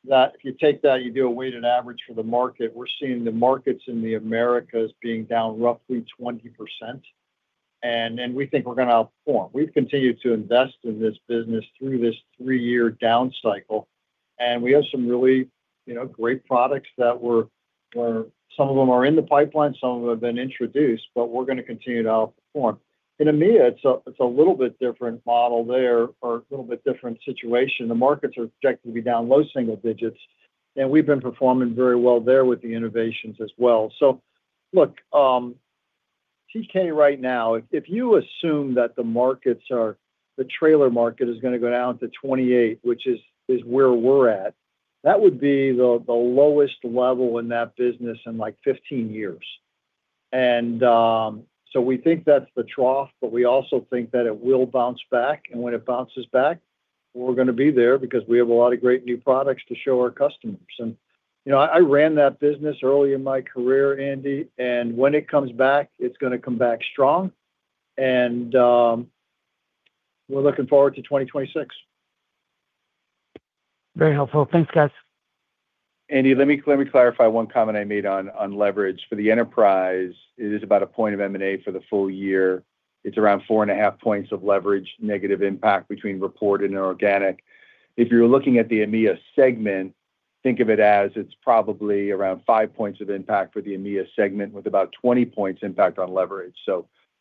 Speaker 3: If you take that, you do a weighted average for the market, we're seeing the markets in the Americas being down roughly 20%. We think we're going to outperform. We've continued to invest in this business through this three-year down cycle. We have some really great products that some of them are in the pipeline. Some of them have been introduced. We're going to continue to outperform. In EMEA, it's a little bit different model there or a little bit different situation. The markets are projected to be down low single digits. We've been performing very well there with the innovations as well. Look, TK right now, if you assume that the trailer market is going to go down to 28, which is where we're at, that would be the lowest level in that business in like 15 years. We think that's the trough. We also think that it will bounce back. When it bounces back, we're going to be there because we have a lot of great new products to show our customers. I ran that business early in my career, Andy. When it comes back, it's going to come back strong. We're looking forward to 2026.
Speaker 10: Very helpful. Thanks, guys.
Speaker 4: Andy, let me clarify one comment I made on leverage. For the enterprise, it is about a point of M&A for the full year. It's around 4.5 points of leverage negative impact between reported and organic. If you're looking at the Americas segment, think of it as it's probably around 5 points of impact for the Americas segment with about 20 points impact on leverage.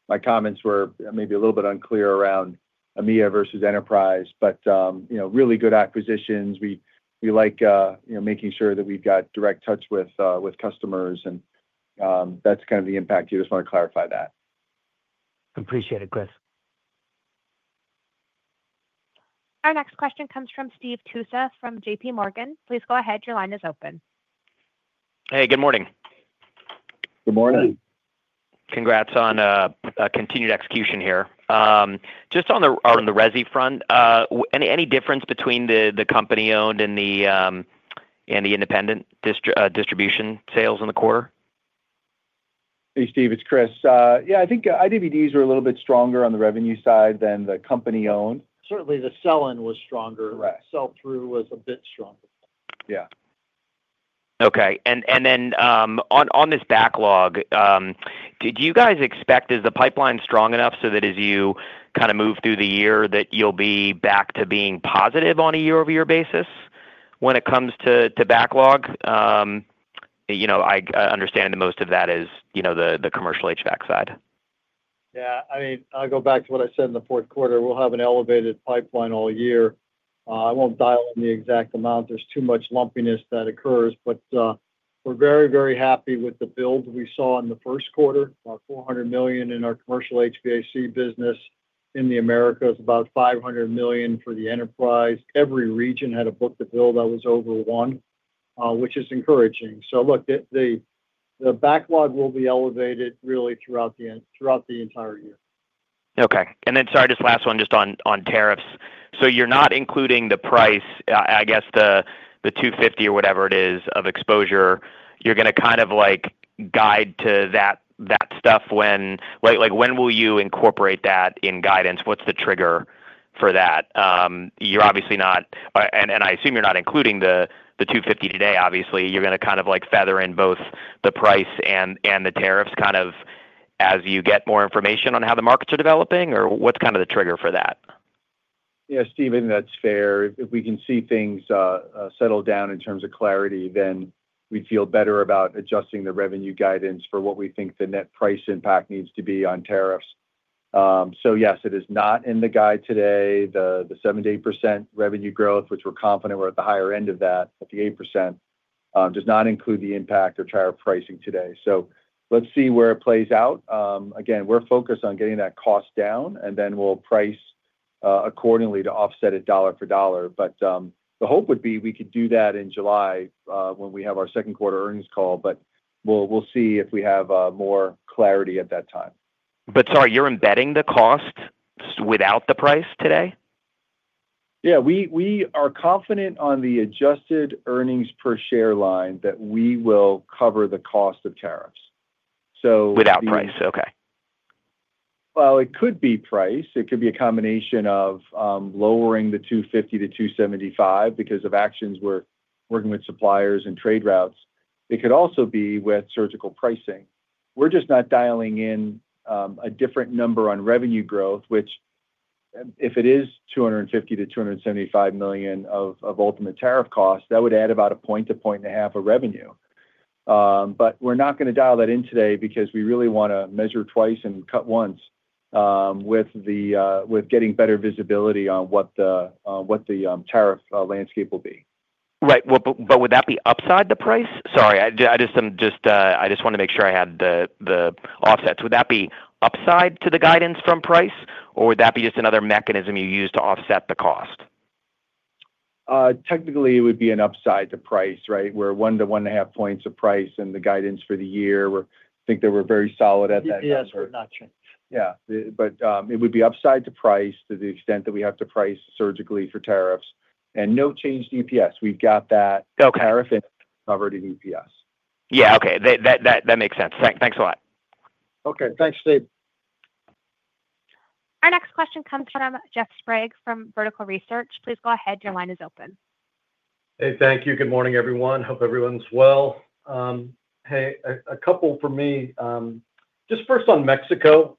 Speaker 4: My comments were maybe a little bit unclear around Americas versus enterprise. Really good acquisitions. We like making sure that we've got direct touch with customers. That's kind of the impact. I just want to clarify that.
Speaker 10: Appreciate it, Chris.
Speaker 1: Our next question comes from Steve Tusa from JPMorgan. Please go ahead. Your line is open.
Speaker 11: Hey. Good morning.
Speaker 4: Good morning.
Speaker 11: Congrats on continued execution here. Just on the RESI front, any difference between the company-owned and the independent distribution sales in the quarter?
Speaker 4: Hey, Steve. It's Chris. Yeah. I think IWDs were a little bit stronger on the revenue side than the company-owned.
Speaker 3: Certainly, the selling was stronger.
Speaker 4: Correct.
Speaker 3: Sell-through was a bit stronger.
Speaker 4: Yeah.
Speaker 11: Okay. Then on this backlog, do you guys expect is the pipeline strong enough so that as you kind of move through the year that you'll be back to being positive on a year-over-year basis when it comes to backlog? I understand that most of that is the commercial HVAC side.
Speaker 3: Yeah. I mean, I'll go back to what I said in the fourth quarter. We'll have an elevated pipeline all year. I won't dial in the exact amount. There's too much lumpiness that occurs. But we're very, very happy with the build we saw in the first quarter, about $400 million in our commercial HVAC business in the Americas, about $500 million for the enterprise. Every region had a book-to-bill that was over one, which is encouraging. The backlog will be elevated really throughout the entire year.
Speaker 11: Okay. Sorry, just last one, just on tariffs. You're not including the price, I guess, the $250 or whatever it is of exposure. You're going to kind of guide to that stuff when? When will you incorporate that in guidance? What's the trigger for that? You're obviously not—I assume you're not including the $250 today, obviously. You're going to kind of feather in both the price and the tariffs as you get more information on how the markets are developing? What's the trigger for that?
Speaker 4: Yeah. Steve, I think that's fair. If we can see things settle down in terms of clarity, then we'd feel better about adjusting the revenue guidance for what we think the net price impact needs to be on tariffs. Yes, it is not in the guide today. The 7% to 8% revenue growth, which we're confident we're at the higher end of that, at the 8%, does not include the impact of tariff pricing today. Let's see where it plays out. Again, we're focused on getting that cost down. Then we'll price accordingly to offset it dollar for dollar. The hope would be we could do that in July when we have our second quarter earnings call. We'll see if we have more clarity at that time.
Speaker 11: Sorry, you're embedding the cost without the price today?
Speaker 4: Yeah. We are confident on the adjusted earnings per share line that we will cover the cost of tariffs.
Speaker 11: Without price. Okay.
Speaker 4: It could be price. It could be a combination of lowering the $250 to 275 million because of actions we're working with suppliers and trade routes. It could also be with surgical pricing. We're just not dialing in a different number on revenue growth, which if it is $250 to 275 million of ultimate tariff cost, that would add about a point to a point and a half of revenue. We're not going to dial that in today because we really want to measure twice and cut once with getting better visibility on what the tariff landscape will be.
Speaker 11: Right. Would that be upside to the price? Sorry, I just wanted to make sure I had the offsets. Would that be upside to the guidance from price, or would that be just another mechanism you use to offset the cost?
Speaker 4: Technically, it would be an upside to price, right? We are one to one and a half points of price in the guidance for the year. I think they were very solid at that.
Speaker 3: EPS would not change.
Speaker 4: Yeah. It would be upside to price to the extent that we have to price surgically for tariffs. No change to EPS. We've got that tariff and covered in EPS.
Speaker 11: Yeah. Okay. That makes sense. Thanks a lot.
Speaker 3: Okay. Thanks, Steve.
Speaker 1: Our next question comes from Jeff Sprague from Vertical Research. Please go ahead. Your line is open.
Speaker 12: Hey. Thank you. Good morning, everyone. Hope everyone's well. Hey, a couple for me. Just first on Mexico.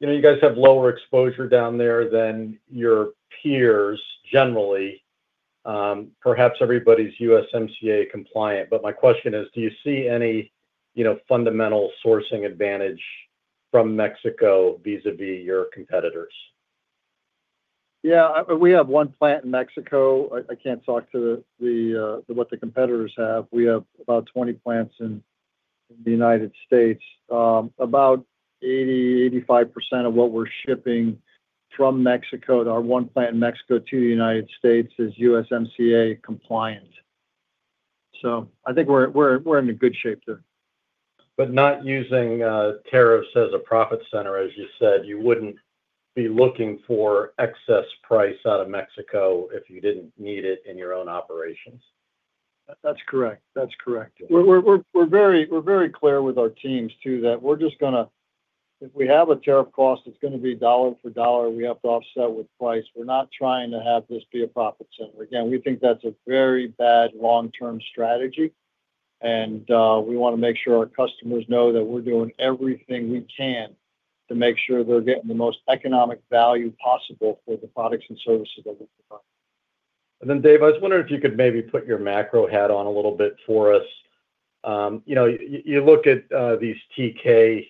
Speaker 12: You guys have lower exposure down there than your peers generally. Perhaps everybody's USMCA compliant. My question is, do you see any fundamental sourcing advantage from Mexico vis-à-vis your competitors?
Speaker 3: Yeah. We have one plant in Mexico. I can't talk to what the competitors have. We have about 20 plants in the United States. About 80% to 85% of what we're shipping from Mexico, our one plant in Mexico to the United States, is USMCA compliant. I think we're in good shape there.
Speaker 12: Not using tariffs as a profit center, as you said. You would not be looking for excess price out of Mexico if you did not need it in your own operations.
Speaker 3: That's correct. That's correct. We're very clear with our teams too that we're just going to, if we have a tariff cost, it's going to be dollar for dollar. We have to offset with price. We're not trying to have this be a profit center. Again, we think that's a very bad long-term strategy. We want to make sure our customers know that we're doing everything we can to make sure they're getting the most economic value possible for the products and services that we provide.
Speaker 12: Dave, I was wondering if you could maybe put your macro hat on a little bit for us. You look at these TK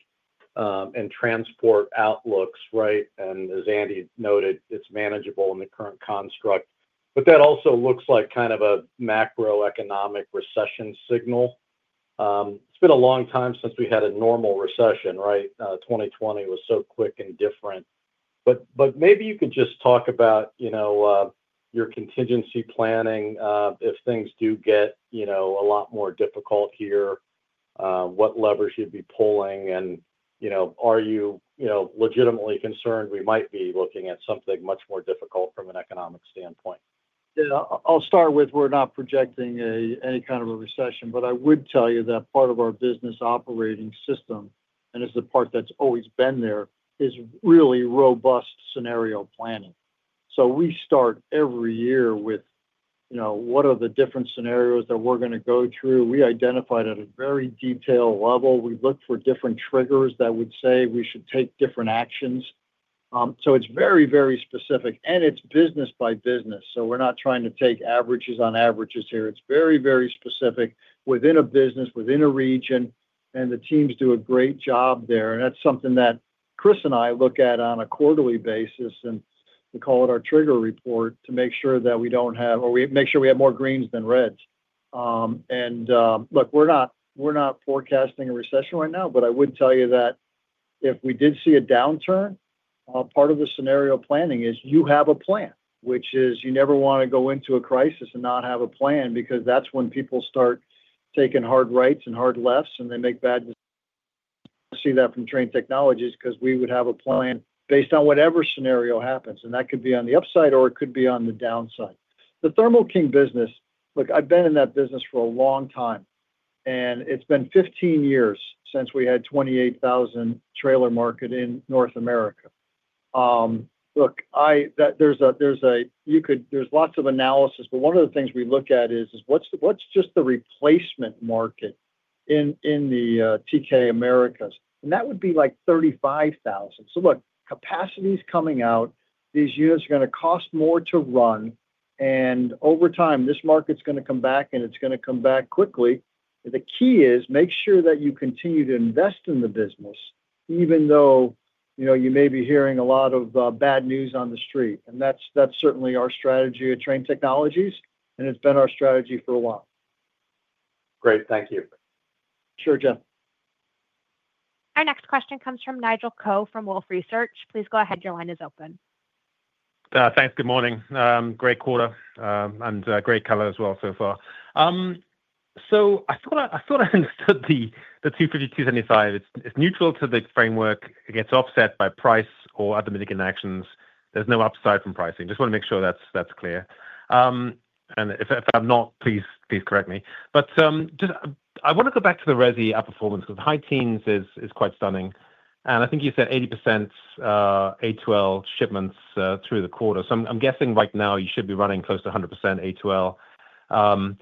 Speaker 12: and transport outlooks, right? As Andy noted, it's manageable in the current construct. That also looks like kind of a macroeconomic recession signal. It's been a long time since we had a normal recession, right? 2020 was so quick and different. Maybe you could just talk about your contingency planning if things do get a lot more difficult here. What levers you'd be pulling? Are you legitimately concerned we might be looking at something much more difficult from an economic standpoint?
Speaker 3: Yeah. I'll start with we're not projecting any kind of a recession. I would tell you that part of our business operating system—and it's the part that's always been there—is really robust scenario planning. We start every year with what are the different scenarios that we're going to go through. We identify at a very detailed level. We look for different triggers that would say we should take different actions. It's very, very specific. It's business by business. We're not trying to take averages on averages here. It's very, very specific within a business, within a region. The teams do a great job there. That's something that Chris and I look at on a quarterly basis. We call it our trigger report to make sure that we don't have—or we make sure we have more greens than reds. Look, we're not forecasting a recession right now. I would tell you that if we did see a downturn, part of the scenario planning is you have a plan, which is you never want to go into a crisis and not have a plan because that's when people start taking hard rights and hard lefts and they make bad decisions. You see that from Trane Technologies because we would have a plan based on whatever scenario happens. That could be on the upside or it could be on the downside. The Thermo King business, look, I've been in that business for a long time. It's been 15 years since we had a 28,000 trailer market in North America. There's a—you could—there's lots of analysis. One of the things we look at is what's just the replacement market in the TK Americas. That would be like 35,000. Look, capacity's coming out. These units are going to cost more to run. Over time, this market's going to come back. It's going to come back quickly. The key is make sure that you continue to invest in the business even though you may be hearing a lot of bad news on the street. That's certainly our strategy at Trane Technologies. It's been our strategy for a while.
Speaker 12: Great. Thank you.
Speaker 3: Sure, Jeff.
Speaker 1: Our next question comes from Nigel Coe from Wolfe Research. Please go ahead. Your line is open.
Speaker 13: Thanks. Good morning. Great quarter and great color as well so far. I thought I understood the 250, 275. It's neutral to the framework. It gets offset by price or other mitigating actions. There's no upside from pricing. Just want to make sure that's clear. If I'm not, please correct me. I want to go back to the RESI outperformance because the high teens is quite stunning. I think you said 80% A2L shipments through the quarter. I'm guessing right now you should be running close to 100% A2L.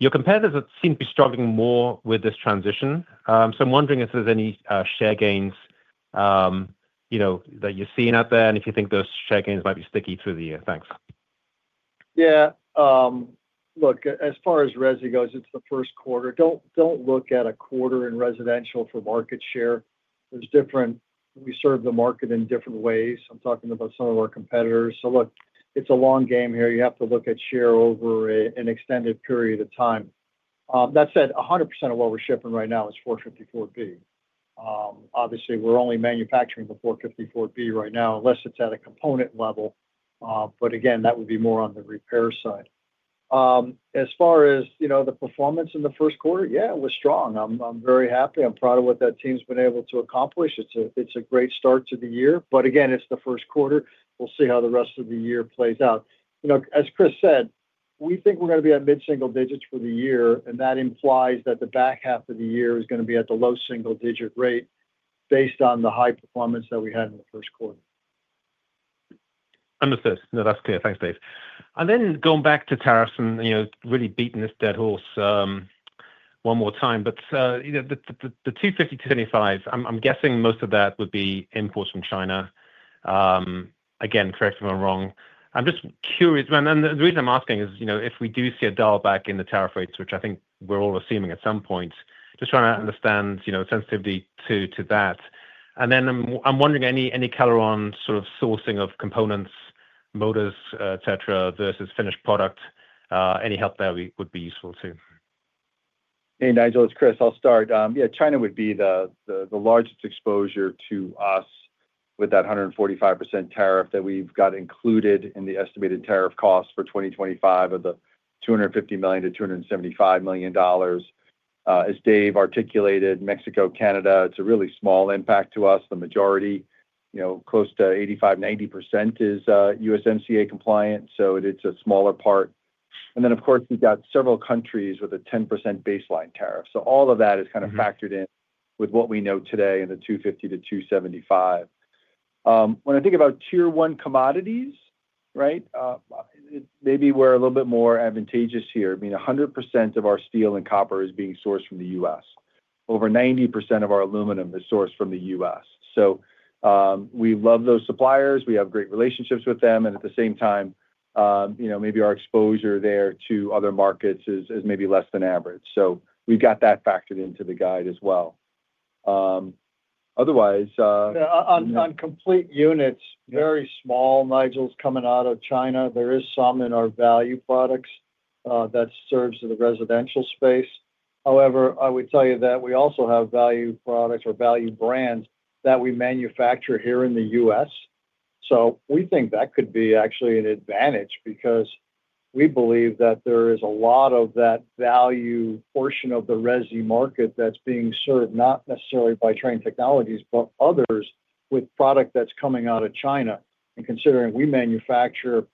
Speaker 13: Your competitors seem to be struggling more with this transition. I'm wondering if there's any share gains that you're seeing out there and if you think those share gains might be sticky through the year. Thanks.
Speaker 3: Yeah. Look, as far as RESI goes, it's the first quarter. Don't look at a quarter in residential for market share. We serve the market in different ways. I'm talking about some of our competitors. Look, it's a long game here. You have to look at share over an extended period of time. That said, 100% of what we're shipping right now is 454B. Obviously, we're only manufacturing the 454B right now unless it's at a component level. That would be more on the repair side. As far as the performance in the first quarter, yeah, it was strong. I'm very happy. I'm proud of what that team's been able to accomplish. It's a great start to the year. Again, it's the first quarter. We'll see how the rest of the year plays out. As Chris said, we think we're going to be at mid-single digits for the year. That implies that the back half of the year is going to be at the low single-digit rate based on the high performance that we had in the first quarter.
Speaker 13: Understood. No, that's clear. Thanks, Dave. Going back to tariffs and really beating this dead horse one more time. The 250, 275, I'm guessing most of that would be imports from China. Again, correct me if I'm wrong. I'm just curious. The reason I'm asking is if we do see a dial back in the tariff rates, which I think we're all assuming at some point, just trying to understand sensitivity to that. I'm wondering any color on sort of sourcing of components, motors, etc., versus finished product. Any help there would be useful too.
Speaker 4: Hey, Nigel. It's Chris. I'll start. Yeah. China would be the largest exposure to us with that 145% tariff that we've got included in the estimated tariff cost for 2025 of the $250 to 275 million. As Dave articulated, Mexico, Canada, it's a really small impact to us. The majority, close to 85% to 90% is USMCA compliant. It is a smaller part. Of course, we've got several countries with a 10% baseline tariff. All of that is kind of factored in with what we know today in the $250 to 275 million. When I think about tier one commodities, right, maybe we're a little bit more advantageous here. I mean, 100% of our steel and copper is being sourced from the U.S. Over 90% of our aluminum is sourced from the U.S. We love those suppliers. We have great relationships with them. At the same time, maybe our exposure there to other markets is maybe less than average. So we've got that factored into the guide as well. Otherwise.
Speaker 3: On complete units, very small Nigel coming out of China. There is some in our value products that serves the residential space. However, I would tell you that we also have value products or value brands that we manufacture here in the U.S. We think that could be actually an advantage because we believe that there is a lot of that value portion of the RESI market that's being served, not necessarily by Trane Technologies, but others with product that's coming out of China. Considering we manufacture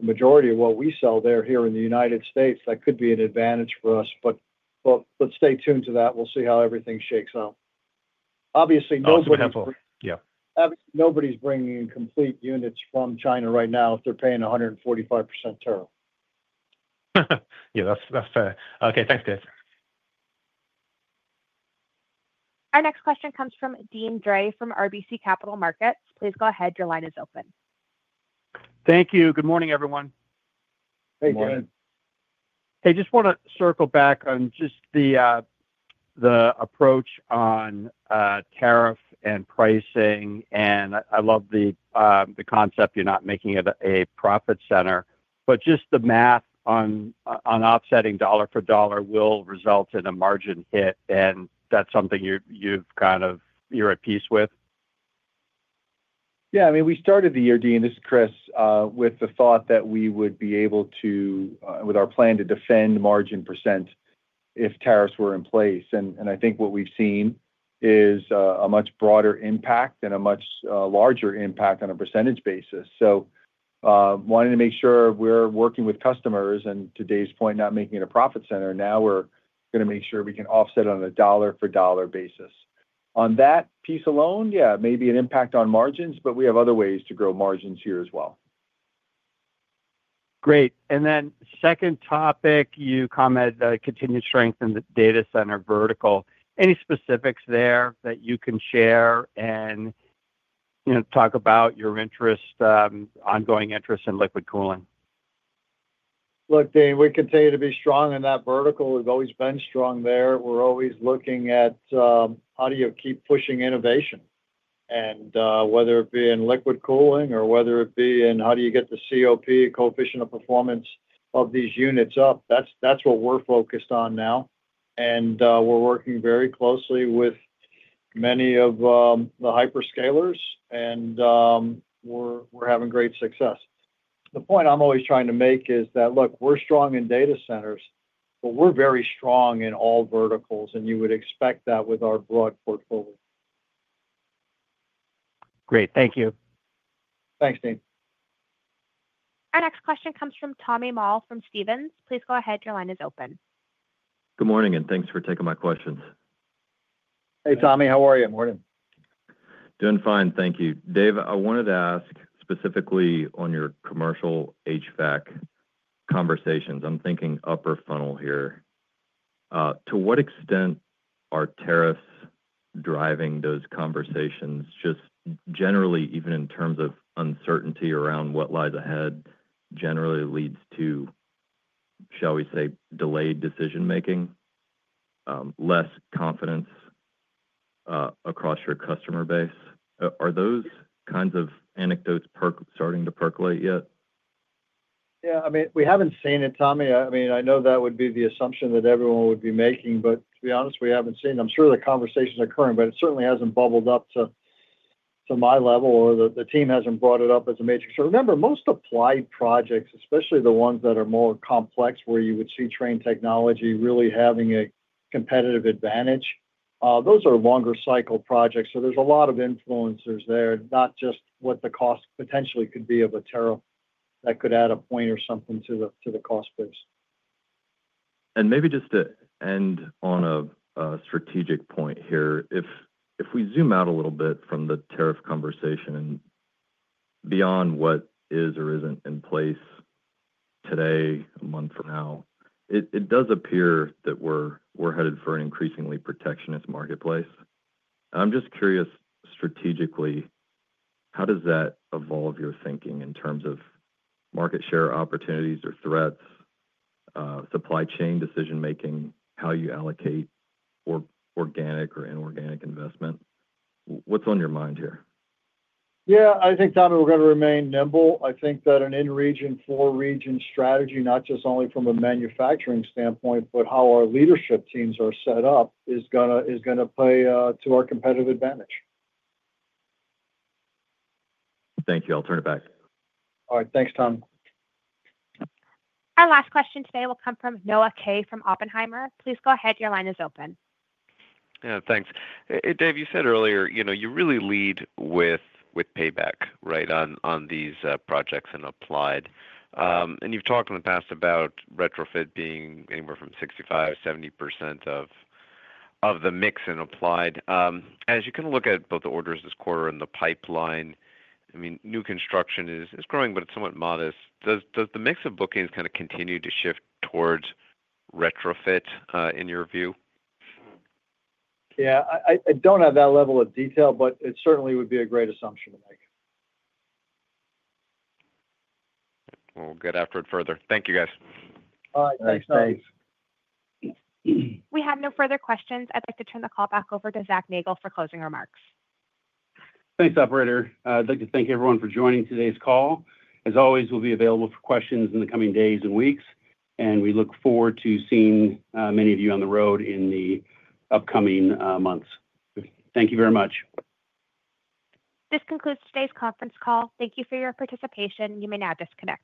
Speaker 3: the majority of what we sell there here in the United States, that could be an advantage for us. Let's stay tuned to that. We'll see how everything shakes out. Obviously, nobody's.
Speaker 13: That's a handful. Yeah.
Speaker 3: Obviously, nobody's bringing in complete units from China right now if they're paying 145% tariff.
Speaker 13: Yeah. That's fair. Okay. Thanks, Dave.
Speaker 1: Our next question comes from Deane Dray from RBC Capital Markets. Please go ahead. Your line is open.
Speaker 14: Thank you. Good morning, everyone.
Speaker 3: Hey, Good Morning.
Speaker 14: Hey, just want to circle back on just the approach on tariff and pricing. I love the concept you're not making it a profit center. Just the math on offsetting dollar for dollar will result in a margin hit. That's something you've kind of you're at peace with?
Speaker 4: Yeah. I mean, we started the year, Deane, this is Chris, with the thought that we would be able to, with our plan, to defend margin percent if tariffs were in place. I think what we've seen is a much broader impact and a much larger impact on a percentage basis. Wanting to make sure we're working with customers and, to Dave's point, not making it a profit center, now we're going to make sure we can offset on a dollar for dollar basis. On that piece alone, yeah, maybe an impact on margins. We have other ways to grow margins here as well.
Speaker 14: Great. Then second topic, you comment continued strength in the data center vertical. Any specifics there that you can share and talk about your interest, ongoing interest in liquid cooling?
Speaker 3: Look, Dave, we continue to be strong in that vertical. We've always been strong there. We're always looking at how do you keep pushing innovation. Whether it be in liquid cooling or whether it be in how do you get the COP, Coefficient of Performance, of these units up. That's what we're focused on now. We're working very closely with many of the hyperscalers. We're having great success. The point I'm always trying to make is that, look, we're strong in data centers. We're very strong in all verticals. You would expect that with our broad portfolio.
Speaker 14: Great. Thank you.
Speaker 3: Thanks, Deane.
Speaker 1: Our next question comes from Tommy Moll from Stephens Inc. Please go ahead. Your line is open.
Speaker 15: Good morning. Thanks for taking my questions.
Speaker 3: Hey, Tommy. How are you? Good morning.
Speaker 15: Doing fine. Thank you. Dave, I wanted to ask specifically on your commercial HVAC conversations. I'm thinking upper funnel here. To what extent are tariffs driving those conversations? Just generally, even in terms of uncertainty around what lies ahead, generally leads to, shall we say, delayed decision-making, less confidence across your customer base. Are those kinds of anecdotes starting to percolate yet?
Speaker 3: Yeah. I mean, we haven't seen it, Tommy. I mean, I know that would be the assumption that everyone would be making. To be honest, we haven't seen. I'm sure the conversation's occurring. It certainly hasn't bubbled up to my level or the team hasn't brought it up as a major concern. Remember, most applied projects, especially the ones that are more complex where you would see Trane Technologies really having a competitive advantage, those are longer cycle projects. There are a lot of influencers there, not just what the cost potentially could be of a tariff that could add a point or something to the cost base.
Speaker 15: Maybe just to end on a strategic point here, if we zoom out a little bit from the tariff conversation and beyond what is or isn't in place today, a month from now, it does appear that we're headed for an increasingly protectionist marketplace. I'm just curious, strategically, how does that evolve your thinking in terms of market share opportunities or threats, supply chain decision-making, how you allocate organic or inorganic investment? What's on your mind here?
Speaker 3: Yeah. I think, Tommy, we're going to remain nimble. I think that an in-region, for-region strategy, not just only from a manufacturing standpoint, but how our leadership teams are set up is going to play to our competitive advantage.
Speaker 15: Thank you. I'll turn it back.
Speaker 3: All right. Thanks, Tommy.
Speaker 1: Our last question today will come from Noah Kaye from Oppenheimer. Please go ahead. Your line is open.
Speaker 16: Yeah. Thanks. Dave, you said earlier you really lead with payback, right, on these projects and applied. And you've talked in the past about retrofit being anywhere from 65% to 70% of the mix in applied. As you kind of look at both the orders this quarter and the pipeline, I mean, new construction is growing, but it's somewhat modest. Does the mix of bookings kind of continue to shift towards retrofit in your view?
Speaker 3: Yeah. I don't have that level of detail. It certainly would be a great assumption to make.
Speaker 16: We'll get after it further. Thank you, guys.
Speaker 3: All right. Thanks, guys.
Speaker 1: We have no further questions. I'd like to turn the call back over to Zac Nagle for closing remarks.
Speaker 2: Thanks, operator. I'd like to thank everyone for joining today's call. As always, we'll be available for questions in the coming days and weeks. We look forward to seeing many of you on the road in the upcoming months. Thank you very much.
Speaker 1: This concludes today's conference call. Thank you for your participation. You may now disconnect.